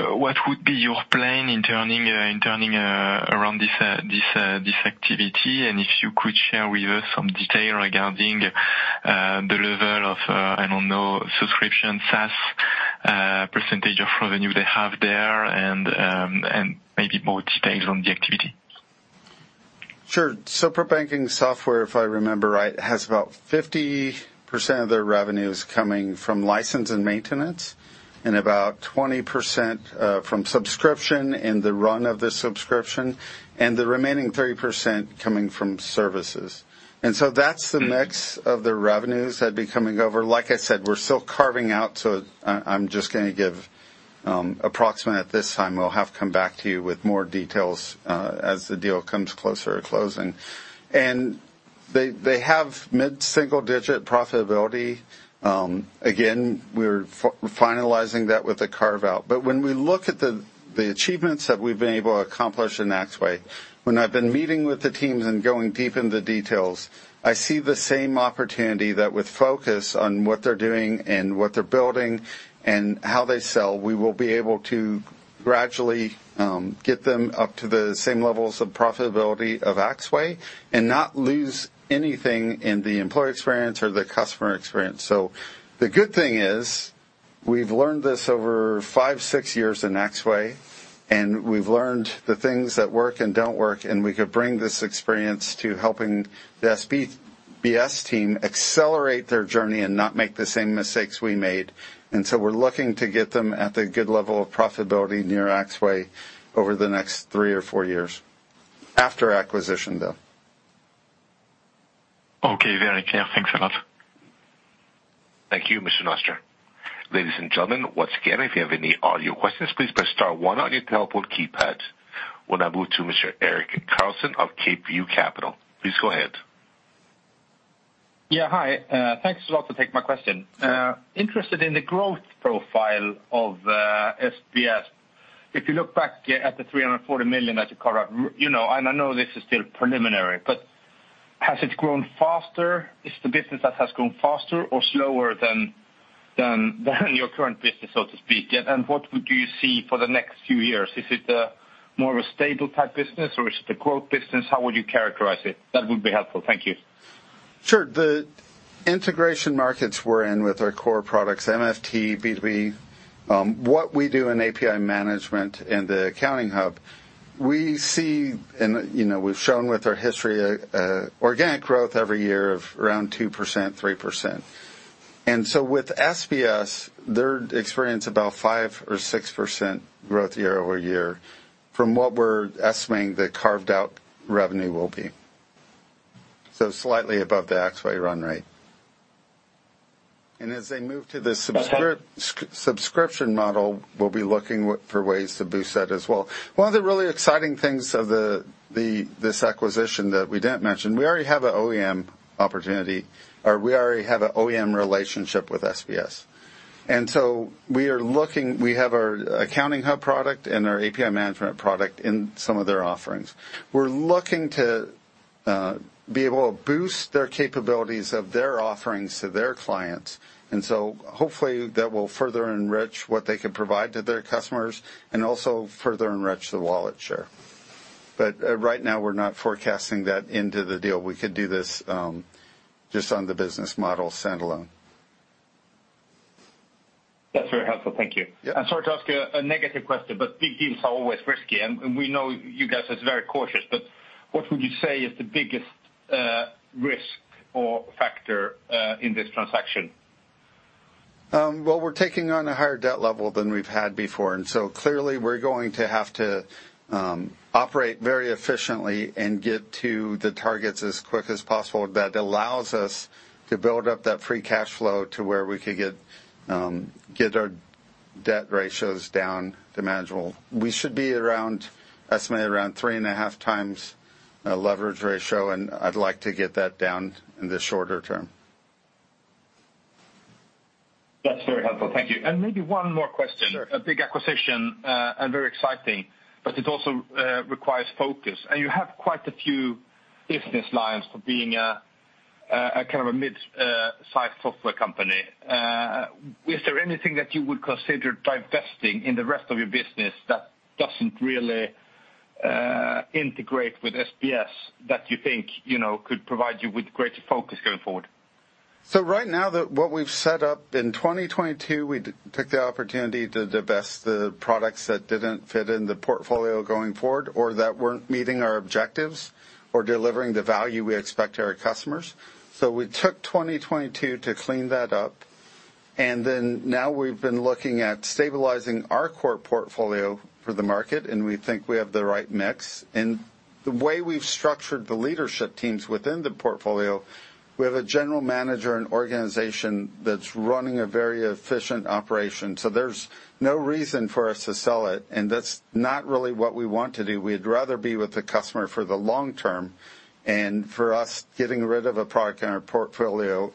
What would be your plan in turning around this activity? And if you could share with us some detail regarding the level of, I don't know, subscription SaaS percentage of revenue they have there and maybe more details on the activity. Sure. Sopra Banking Software, if I remember right, has about 50% of their revenues coming from license and maintenance and about 20% from subscription and the run of the subscription and the remaining 30% coming from services. That's the mix of their revenues that'd be coming over. Like I said, we're still carving out. So I'm just going to give approximate at this time. We'll have come back to you with more details as the deal comes closer to closing. They have mid-single digit profitability. Again, we're finalizing that with the carve-out. When we look at the achievements that we've been able to accomplish in Axway, when I've been meeting with the teams and going deep in the details, I see the same opportunity that with focus on what they're doing and what they're building and how they sell, we will be able to gradually get them up to the same levels of profitability of Axway and not lose anything in the employee experience or the customer experience. So the good thing is we've learned this over 5-6 years in Axway, and we've learned the things that work and don't work. And we could bring this experience to helping the SBS team accelerate their journey and not make the same mistakes we made. And so we're looking to get them at the good level of profitability near Axway over the next 3 or 4 years after acquisition, though. Okay. Very clear. Thanks a lot. Thank you, Mr. Steiner. Ladies and gentlemen, once again, if you have any audio questions, please press star one on your teleport keypad. We'll now move to Mr. Eric Carlson of CapeView Capital. Please go ahead. Yeah. Hi. Thanks a lot to take my question. Interested in the growth profile of SBS. If you look back at the 340 million that you carve out, and I know this is still preliminary, but has it grown faster? Is the business that has grown faster or slower than your current business, so to speak? And what do you see for the next few years? Is it more of a stable type business, or is it a growth business? How would you characterize it? That would be helpful. Thank you. Sure. The integration markets we're in with our core products, MFT, B2B, what we do in API management and the accounting hub, we see and we've shown with our history organic growth every year of around 2%, 3%. And so with SBS, they're experiencing about 5% or 6% growth year-over-year from what we're estimating the carved-out revenue will be, so slightly above the Axway run rate. And as they move to the subscription model, we'll be looking for ways to boost that as well. One of the really exciting things of this acquisition that we didn't mention, we already have an OEM opportunity or we already have an OEM relationship with SBS. And so we are looking we have our accounting hub product and our API management product in some of their offerings. We're looking to be able to boost their capabilities of their offerings to their clients. So hopefully, that will further enrich what they can provide to their customers and also further enrich the wallet share. But right now, we're not forecasting that into the deal. We could do this just on the business model standalone. That's very helpful. Thank you. I'm sorry to ask a negative question, but big deals are always risky. We know you guys are very cautious. What would you say is the biggest risk or factor in this transaction? Well, we're taking on a higher debt level than we've had before. So clearly, we're going to have to operate very efficiently and get to the targets as quick as possible that allows us to build up that free cash flow to where we could get our debt ratios down to manageable. We should be estimated around 3.5x leverage ratio, and I'd like to get that down in the shorter term. That's very helpful. Thank you. And maybe one more question. A big acquisition and very exciting, but it also requires focus. And you have quite a few business lines for being kind of a midsize software company. Is there anything that you would consider divesting in the rest of your business that doesn't really integrate with SBS that you think could provide you with greater focus going forward? So right now, what we've set up in 2022, we took the opportunity to divest the products that didn't fit in the portfolio going forward or that weren't meeting our objectives or delivering the value we expect to our customers. We took 2022 to clean that up. And then now, we've been looking at stabilizing our core portfolio for the market, and we think we have the right mix. The way we've structured the leadership teams within the portfolio, we have a general manager and organization that's running a very efficient operation. There's no reason for us to sell it. That's not really what we want to do. We'd rather be with the customer for the long term. For us, getting rid of a product in our portfolio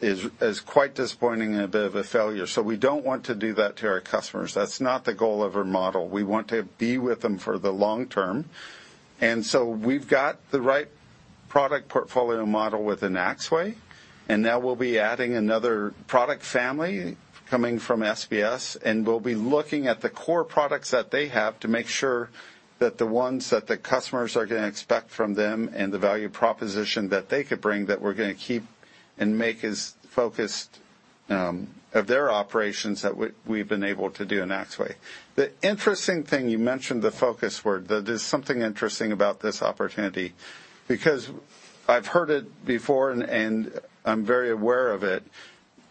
is quite disappointing and a bit of a failure. So we don't want to do that to our customers. That's not the goal of our model. We want to be with them for the long term. And so we've got the right product portfolio model within Axway. And now, we'll be adding another product family coming from SBS. And we'll be looking at the core products that they have to make sure that the ones that the customers are going to expect from them and the value proposition that they could bring that we're going to keep and make as focused of their operations that we've been able to do in Axway. The interesting thing, you mentioned the focus word. There's something interesting about this opportunity because I've heard it before, and I'm very aware of it.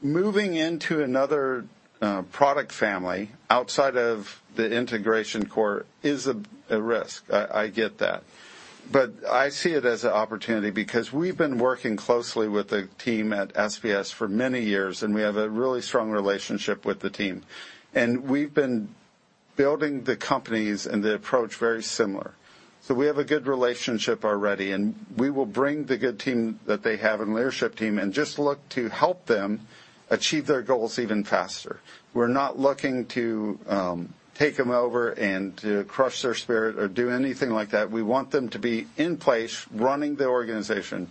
Moving into another product family outside of the integration core is a risk. I get that. But I see it as an opportunity because we've been working closely with the team at SBS for many years, and we have a really strong relationship with the team. And we've been building the companies and the approach very similar. So we have a good relationship already. And we will bring the good team that they have and leadership team and just look to help them achieve their goals even faster. We're not looking to take them over and to crush their spirit or do anything like that. We want them to be in place running the organization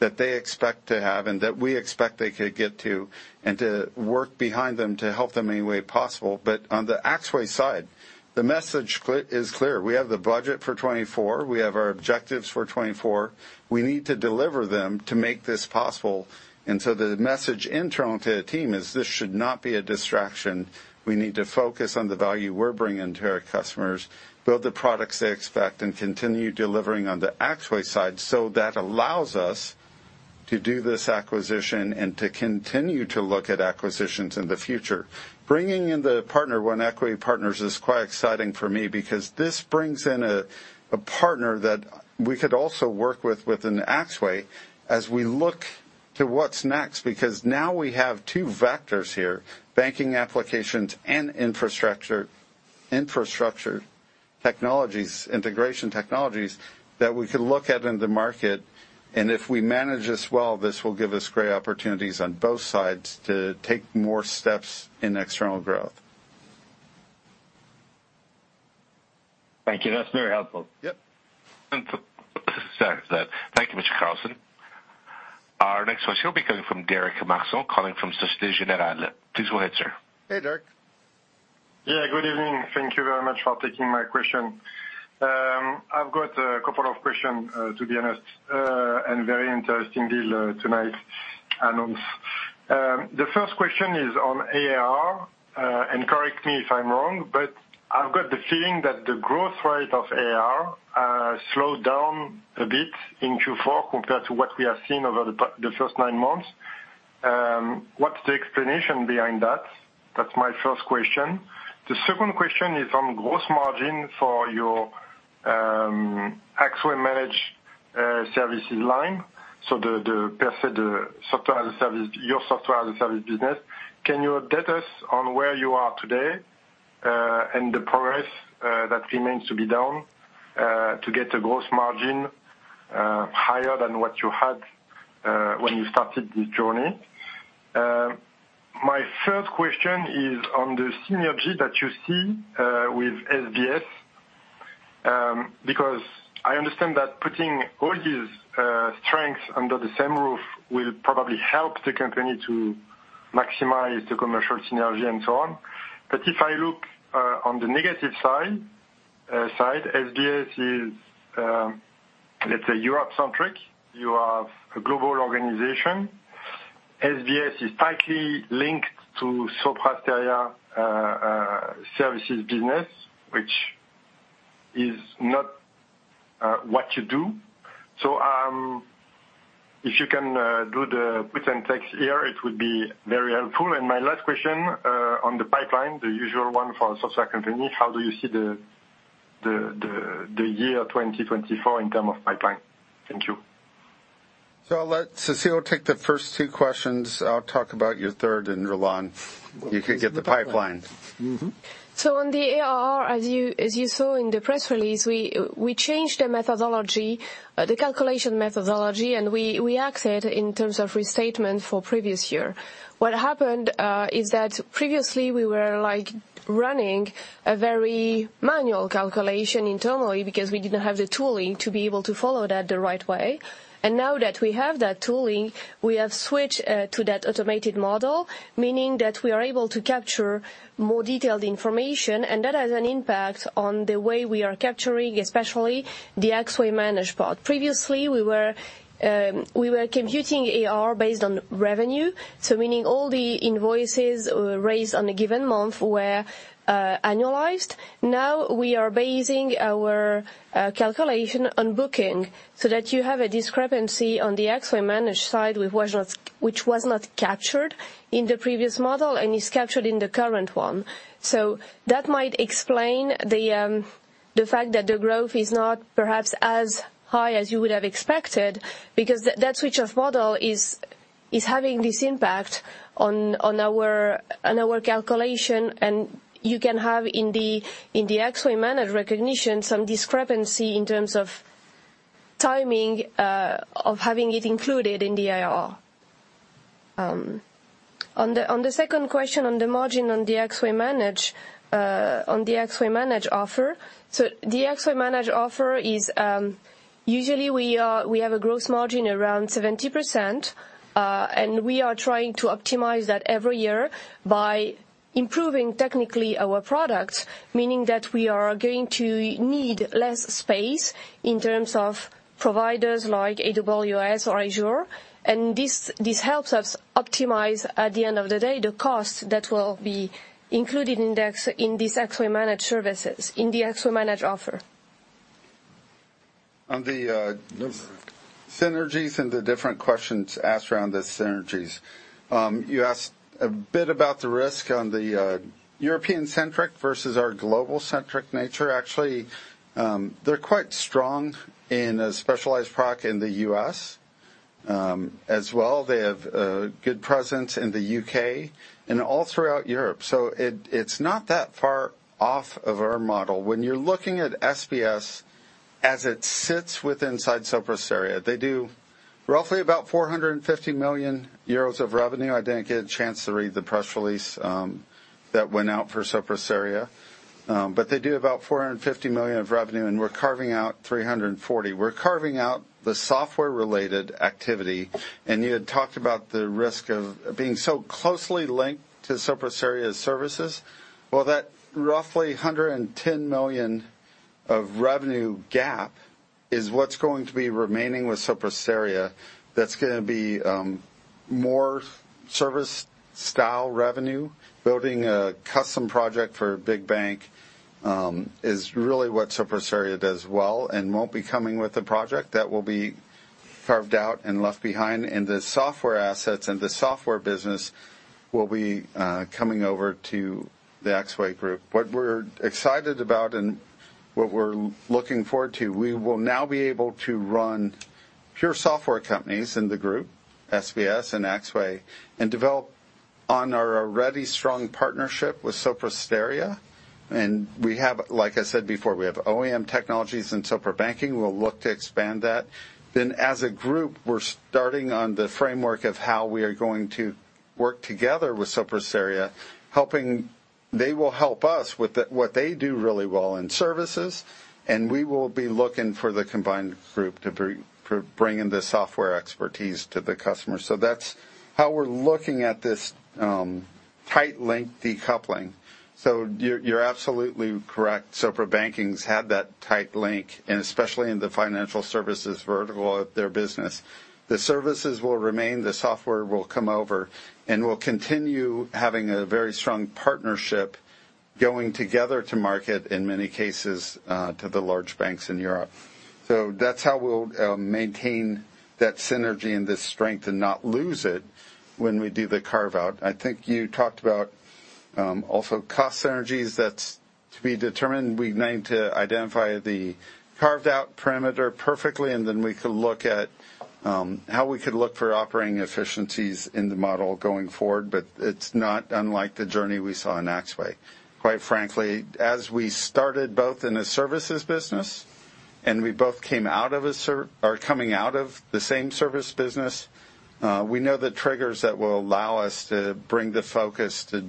that they expect to have and that we expect they could get to and to work behind them to help them any way possible. But on the Axway side, the message is clear. We have the budget for 2024. We have our objectives for 2024. We need to deliver them to make this possible. So the message internal to the team is this should not be a distraction. We need to focus on the value we're bringing to our customers, build the products they expect, and continue delivering on the Axway side so that allows us to do this acquisition and to continue to look at acquisitions in the future. Bringing in the partner, One Equity Partners, is quite exciting for me because this brings in a partner that we could also work with within Axway as we look to what's next because now, we have two vectors here, banking applications and infrastructure technologies, integration technologies, that we could look at in the market. And if we manage this well, this will give us great opportunities on both sides to take more steps in external growth. Thank you. That's very helpful. Sorry for that. Thank you, Mr. Carlson. Our next question will be coming from Derek Seeto calling from Société Générale. Please go ahead, sir. Hey, Derek. Yeah. Good evening. Thank you very much for taking my question. I've got a couple of questions, to be honest, and very interesting deal tonight announced. The first question is on ARR. Correct me if I'm wrong, but I've got the feeling that the growth rate of ARR slowed down a bit in Q4 compared to what we have seen over the first nine months. What's the explanation behind that? That's my first question. The second question is on gross margin for your Axway Managed Services line, so the software as a service, your software as a service business. Can you update us on where you are today and the progress that remains to be done to get the gross margin higher than what you had when you started this journey? My third question is on the synergy that you see with SBS because I understand that putting all these strengths under the same roof will probably help the company to maximize the commercial synergy and so on. But if I look on the negative side, SBS is, let's say, Europe-centric. You have a global organization. SBS is tightly linked to Sopra Steria services business, which is not what you do. So if you can do the puts and takes here, it would be very helpful. And my last question on the pipeline, the usual one for a software company, how do you see the year 2024 in terms of pipeline? Thank you. I'll let Cécile take the first two questions. I'll talk about your third, and Roland, you could get the pipeline. So on the ARR, as you saw in the press release, we changed the methodology, the calculation methodology, and we acted in terms of restatement for previous year. What happened is that previously, we were running a very manual calculation internally because we didn't have the tooling to be able to follow that the right way. And now that we have that tooling, we have switched to that automated model, meaning that we are able to capture more detailed information. And that has an impact on the way we are capturing, especially the Axway Managed part. Previously, we were computing ARR based on revenue, so meaning all the invoices raised on a given month were annualized. Now, we are basing our calculation on booking so that you have a discrepancy on the Axway Managed side which was not captured in the previous model and is captured in the current one. So that might explain the fact that the growth is not perhaps as high as you would have expected because that switch of model is having this impact on our calculation. And you can have in the Axway Managed recognition some discrepancy in terms of timing of having it included in the ARR. On the second question, on the margin on the Axway Managed offer, so the Axway Managed offer is usually, we have a gross margin around 70%. And we are trying to optimize that every year by improving technically our products, meaning that we are going to need less space in terms of providers like AWS or Azure. And this helps us optimize, at the end of the day, the cost that will be included in these Axway Managed Services in the Axway Managed offer. On the synergies and the different questions asked around the synergies, you asked a bit about the risk on the European-centric versus our global-centric nature. Actually, they're quite strong in a specialized product in the US as well. They have a good presence in the UK and all throughout Europe. It's not that far off of our model. When you're looking at SBS as it sits within Sopra Steria, they do roughly about 450 million euros of revenue. I didn't get a chance to read the press release that went out for Sopra Steria, but they do about 450 million of revenue. We're carving out 340 million. We're carving out the software-related activity. You had talked about the risk of being so closely linked to Sopra Steria's services. Well, that roughly 110 million of revenue gap is what's going to be remaining with Sopra Steria. That's going to be more service-style revenue. Building a custom project for a big bank is really what Sopra Steria does well and won't be coming with the project. That will be carved out and left behind. The software assets and the software business will be coming over to the Axway group. What we're excited about and what we're looking forward to, we will now be able to run pure software companies in the group, SBS and Axway, and develop on our already strong partnership with Sopra Steria. Like I said before, we have OEM technologies and Sopra Banking. We'll look to expand that. As a group, we're starting on the framework of how we are going to work together with Sopra Steria, helping they will help us with what they do really well in services. We will be looking for the combined group to bring in the software expertise to the customer. So that's how we're looking at this tight-linked decoupling. So you're absolutely correct. Sopra Banking's had that tight link, and especially in the financial services vertical of their business. The services will remain. The software will come over. And we'll continue having a very strong partnership going together to market, in many cases, to the large banks in Europe. So that's how we'll maintain that synergy and this strength and not lose it when we do the carve-out. I think you talked about also cost synergies. That's to be determined. We need to identify the carved-out parameter perfectly. And then we could look at how we could look for operating efficiencies in the model going forward. But it's not unlike the journey we saw in Axway. Quite frankly, as we started both in a services business and we both came out of a or coming out of the same service business, we know the triggers that will allow us to bring the focus to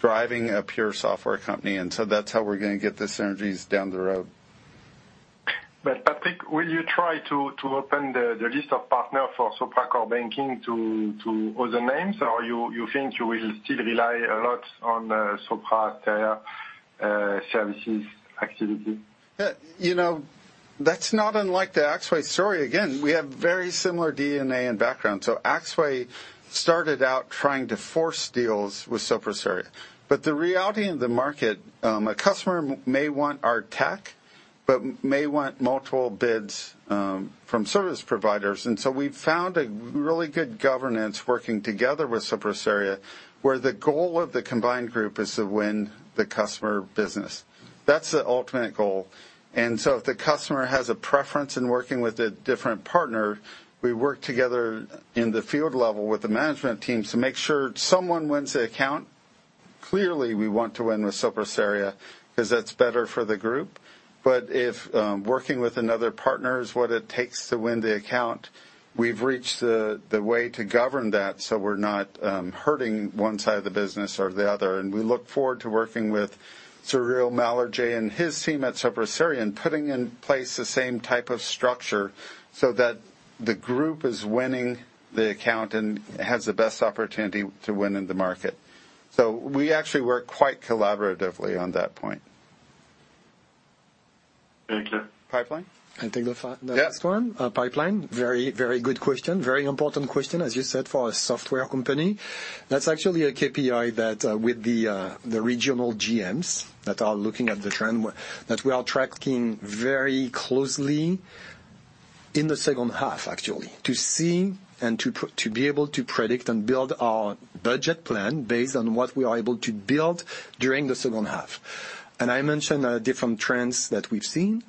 driving a pure software company. And so that's how we're going to get the synergies down the road. But Patrick, will you try to open the list of partners for Sopra Core Banking to other names? Or do you think you will still rely a lot on Sopra Steria services activity? That's not unlike the Axway story. Again, we have very similar DNA and background. So Axway started out trying to force deals with Sopra Steria. But the reality in the market, a customer may want our tech but may want multiple bids from service providers. And so we've found a really good governance working together with Sopra Steria where the goal of the combined group is to win the customer business. That's the ultimate goal. And so if the customer has a preference in working with a different partner, we work together in the field level with the management team to make sure someone wins the account. Clearly, we want to win with Sopra Steria because that's better for the group. If working with another partner is what it takes to win the account, we've reached the way to govern that so we're not hurting one side of the business or the other. We look forward to working with Cyril Malargé and his team at Sopra Steria and putting in place the same type of structure so that the group is winning the account and has the best opportunity to win in the market. We actually work quite collaboratively on that point. Thank you. Pipeline? I think the last one, pipeline, very, very good question, very important question, as you said, for a software company. That's actually a KPI that with the regional GMs that are looking at the trend that we are tracking very closely in the second half, actually, to see and to be able to predict and build our budget plan based on what we are able to build during the second half. I mentioned different trends that we've seen.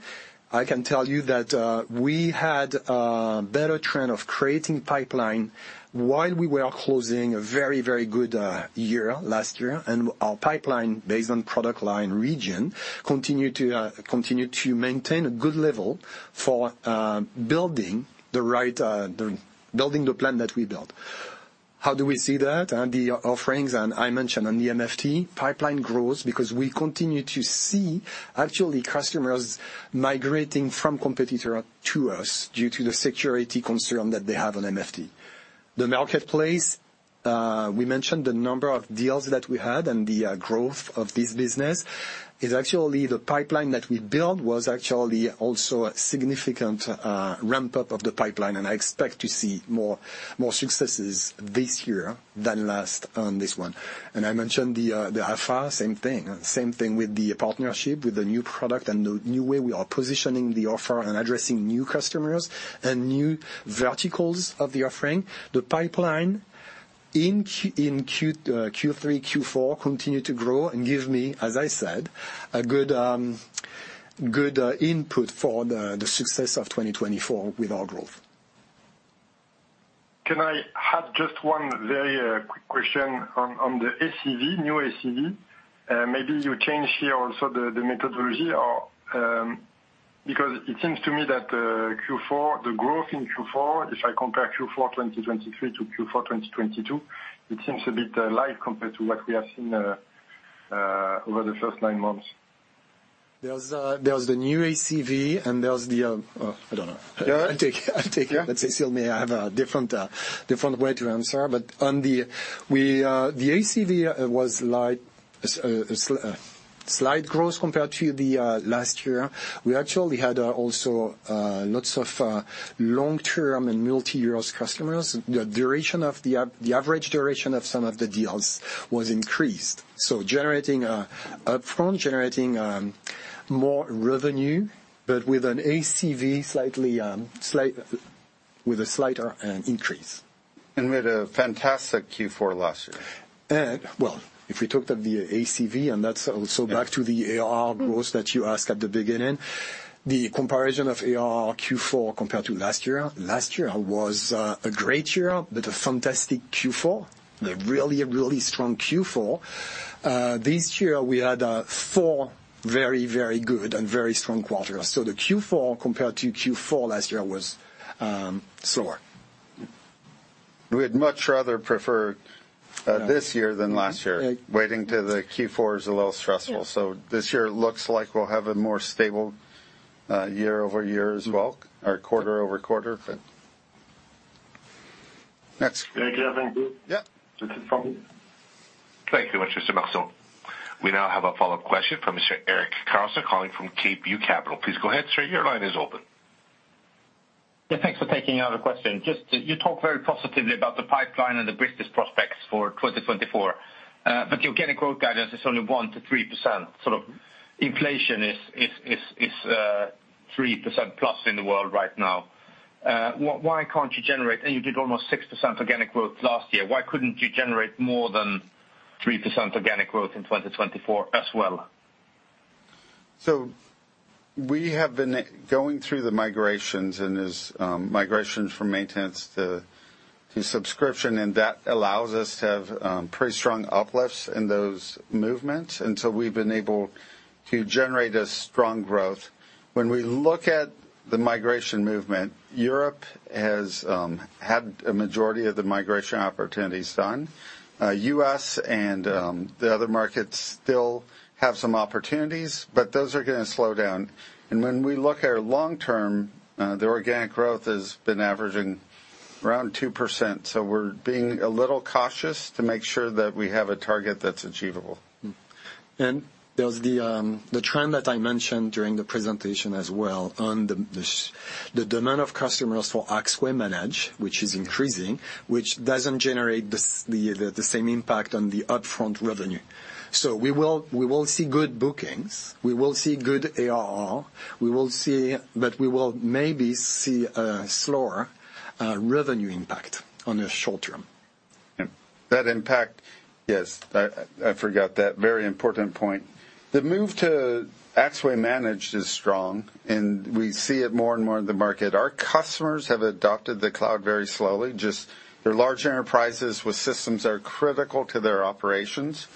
I can tell you that we had a better trend of creating pipeline while we were closing a very, very good year last year. Our pipeline, based on product line region, continued to maintain a good level for building the right building the plan that we built. How do we see that? The offerings, and I mentioned on the MFT, pipeline grows because we continue to see, actually, customers migrating from competitor to us due to the security concern that they have on MFT. The marketplace, we mentioned the number of deals that we had and the growth of this business. Actually, the pipeline that we built was actually also a significant ramp-up of the pipeline. I expect to see more successes this year than last on this one. I mentioned the offer same thing, same thing with the partnership with the new product and the new way we are positioning the offer and addressing new customers and new verticals of the offering. The pipeline in Q3, Q4 continued to grow and give me, as I said, a good input for the success of 2024 with our growth. Can I have just one very quick question on the ACV, new ACV? Maybe you change here also the methodology because it seems to me that Q4, the growth in Q4, if I compare Q4 2023 to Q4 2022, it seems a bit light compared to what we have seen over the first nine months. There's the new ACV, and there's the, I don't know. I'll take it. Let's say Cécile may have a different way to answer. But the ACV was light, slight growth compared to the last year. We actually had also lots of long-term and multi-years customers. The average duration of some of the deals was increased, so generating upfront, generating more revenue but with an ACV slightly with a slight increase. We had a fantastic Q4 last year. Well, if we talked of the ACV, and that's also back to the AR growth that you asked at the beginning, the comparison of AR Q4 compared to last year, last year was a great year but a fantastic Q4, a really, really strong Q4. This year, we had four very, very good and very strong quarters. So the Q4 compared to Q4 last year was slower. We would much rather prefer this year than last year. Waiting till the Q4 is a little stressful. This year looks like we'll have a more stable year-over-year as well or quarter-over-quarter. Next. Thank you. Thank you. Thank you so much, Mr. Seeto. We now have a follow-up question from Mr. Eric Carlson calling from Cape View Capital. Please go ahead, sir. Your line is open. Yeah. Thanks for taking my question. You talk very positively about the pipeline and the business prospects for 2024. But your organic growth guidance is only 1%-3%. Sort of, inflation is 3%+ in the world right now. Why can't you generate, and you did almost 6% organic growth last year. Why couldn't you generate more than 3% organic growth in 2024 as well? So we have been going through the migrations and these migrations from maintenance to subscription. And that allows us to have pretty strong uplifts in those movements. And so we've been able to generate a strong growth. When we look at the migration movement, Europe has had a majority of the migration opportunities done. US and the other markets still have some opportunities, but those are going to slow down. And when we look at our long-term, the organic growth has been averaging around 2%. So we're being a little cautious to make sure that we have a target that's achievable. There's the trend that I mentioned during the presentation as well on the demand of customers for Axway Managed, which is increasing, which doesn't generate the same impact on the upfront revenue. So we will see good bookings. We will see good ARR. But we will maybe see a slower revenue impact on the short term. That impact, yes, I forgot that very important point. The move to Axway Managed is strong. We see it more and more in the market. Our customers have adopted the cloud very slowly. Just, they're large enterprises where systems are critical to their operations.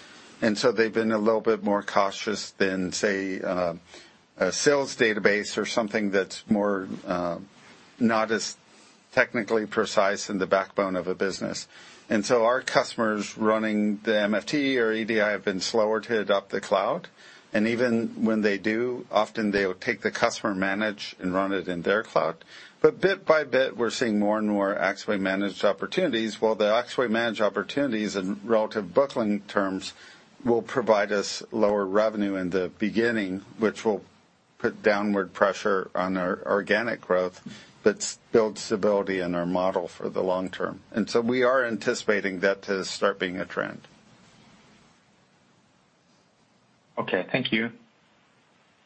They've been a little bit more cautious than, say, a sales database or something that's not as technically precise in the backbone of a business. Our customers running the MFT or EDI have been slower to adopt the cloud. Even when they do, often they'll take the customer-managed and run it in their cloud. But bit by bit, we're seeing more and more Axway Managed opportunities. Well, the Axway Managed opportunities, in relative booking terms, will provide us lower revenue in the beginning, which will put downward pressure on our organic growth but build stability in our model for the long term. And so we are anticipating that to start being a trend. Okay. Thank you.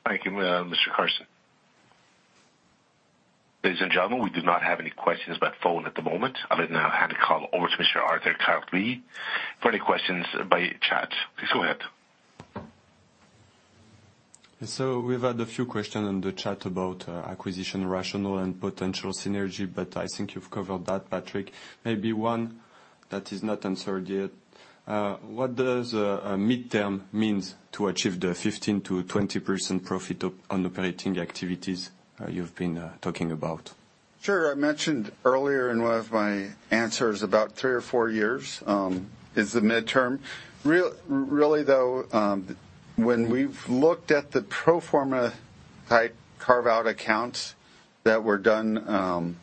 Thank you, Mr. Carlson. Ladies and gentlemen, we do not have any questions by phone at the moment. I'm going to hand the call over to Mr. Arthur Carli for any questions by chat. Please go ahead. We've had a few questions in the chat about acquisition rationale and potential synergy. I think you've covered that, Patrick. Maybe one that is not answered yet. What does mid-term mean to achieve the 15%-20% profit on operating activities you've been talking about? Sure. I mentioned earlier in one of my answers about three or four years is the mid-term. Really, though, when we've looked at the pro forma type carve-out accounts that were done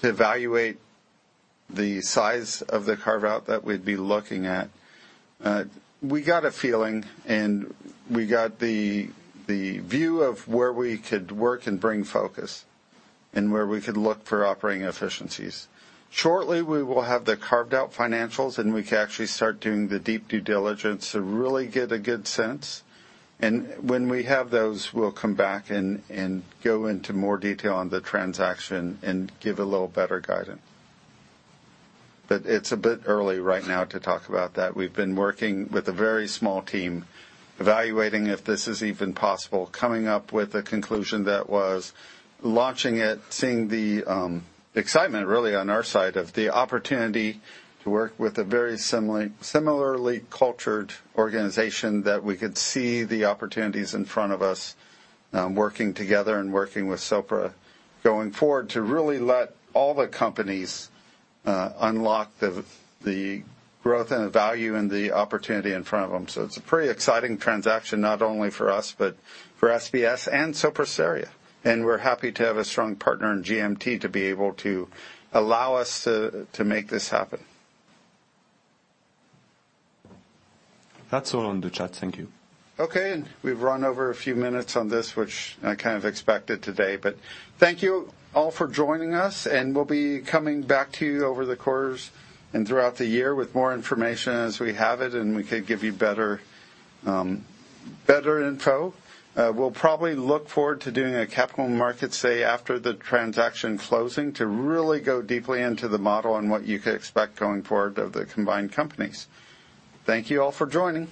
to evaluate the size of the carve-out that we'd be looking at, we got a feeling. And we got the view of where we could work and bring focus and where we could look for operating efficiencies. Shortly, we will have the carved-out financials. And we can actually start doing the deep due diligence to really get a good sense. And when we have those, we'll come back and go into more detail on the transaction and give a little better guidance. But it's a bit early right now to talk about that. We've been working with a very small team, evaluating if this is even possible, coming up with a conclusion that was launching it, seeing the excitement, really, on our side of the opportunity to work with a very similarly cultured organization that we could see the opportunities in front of us working together and working with Sopra going forward to really let all the companies unlock the growth and the value and the opportunity in front of them. It's a pretty exciting transaction, not only for us but for SBS and Sopra Steria. We're happy to have a strong partner in GMT to be able to allow us to make this happen. That's all on the chat. Thank you. Okay. We've run over a few minutes on this, which I kind of expected today. Thank you all for joining us. We'll be coming back to you over the course and throughout the year with more information as we have it. We could give you better info. We'll probably look forward to doing a Capital Markets Day after the transaction closing to really go deeply into the model and what you could expect going forward of the combined companies. Thank you all for joining.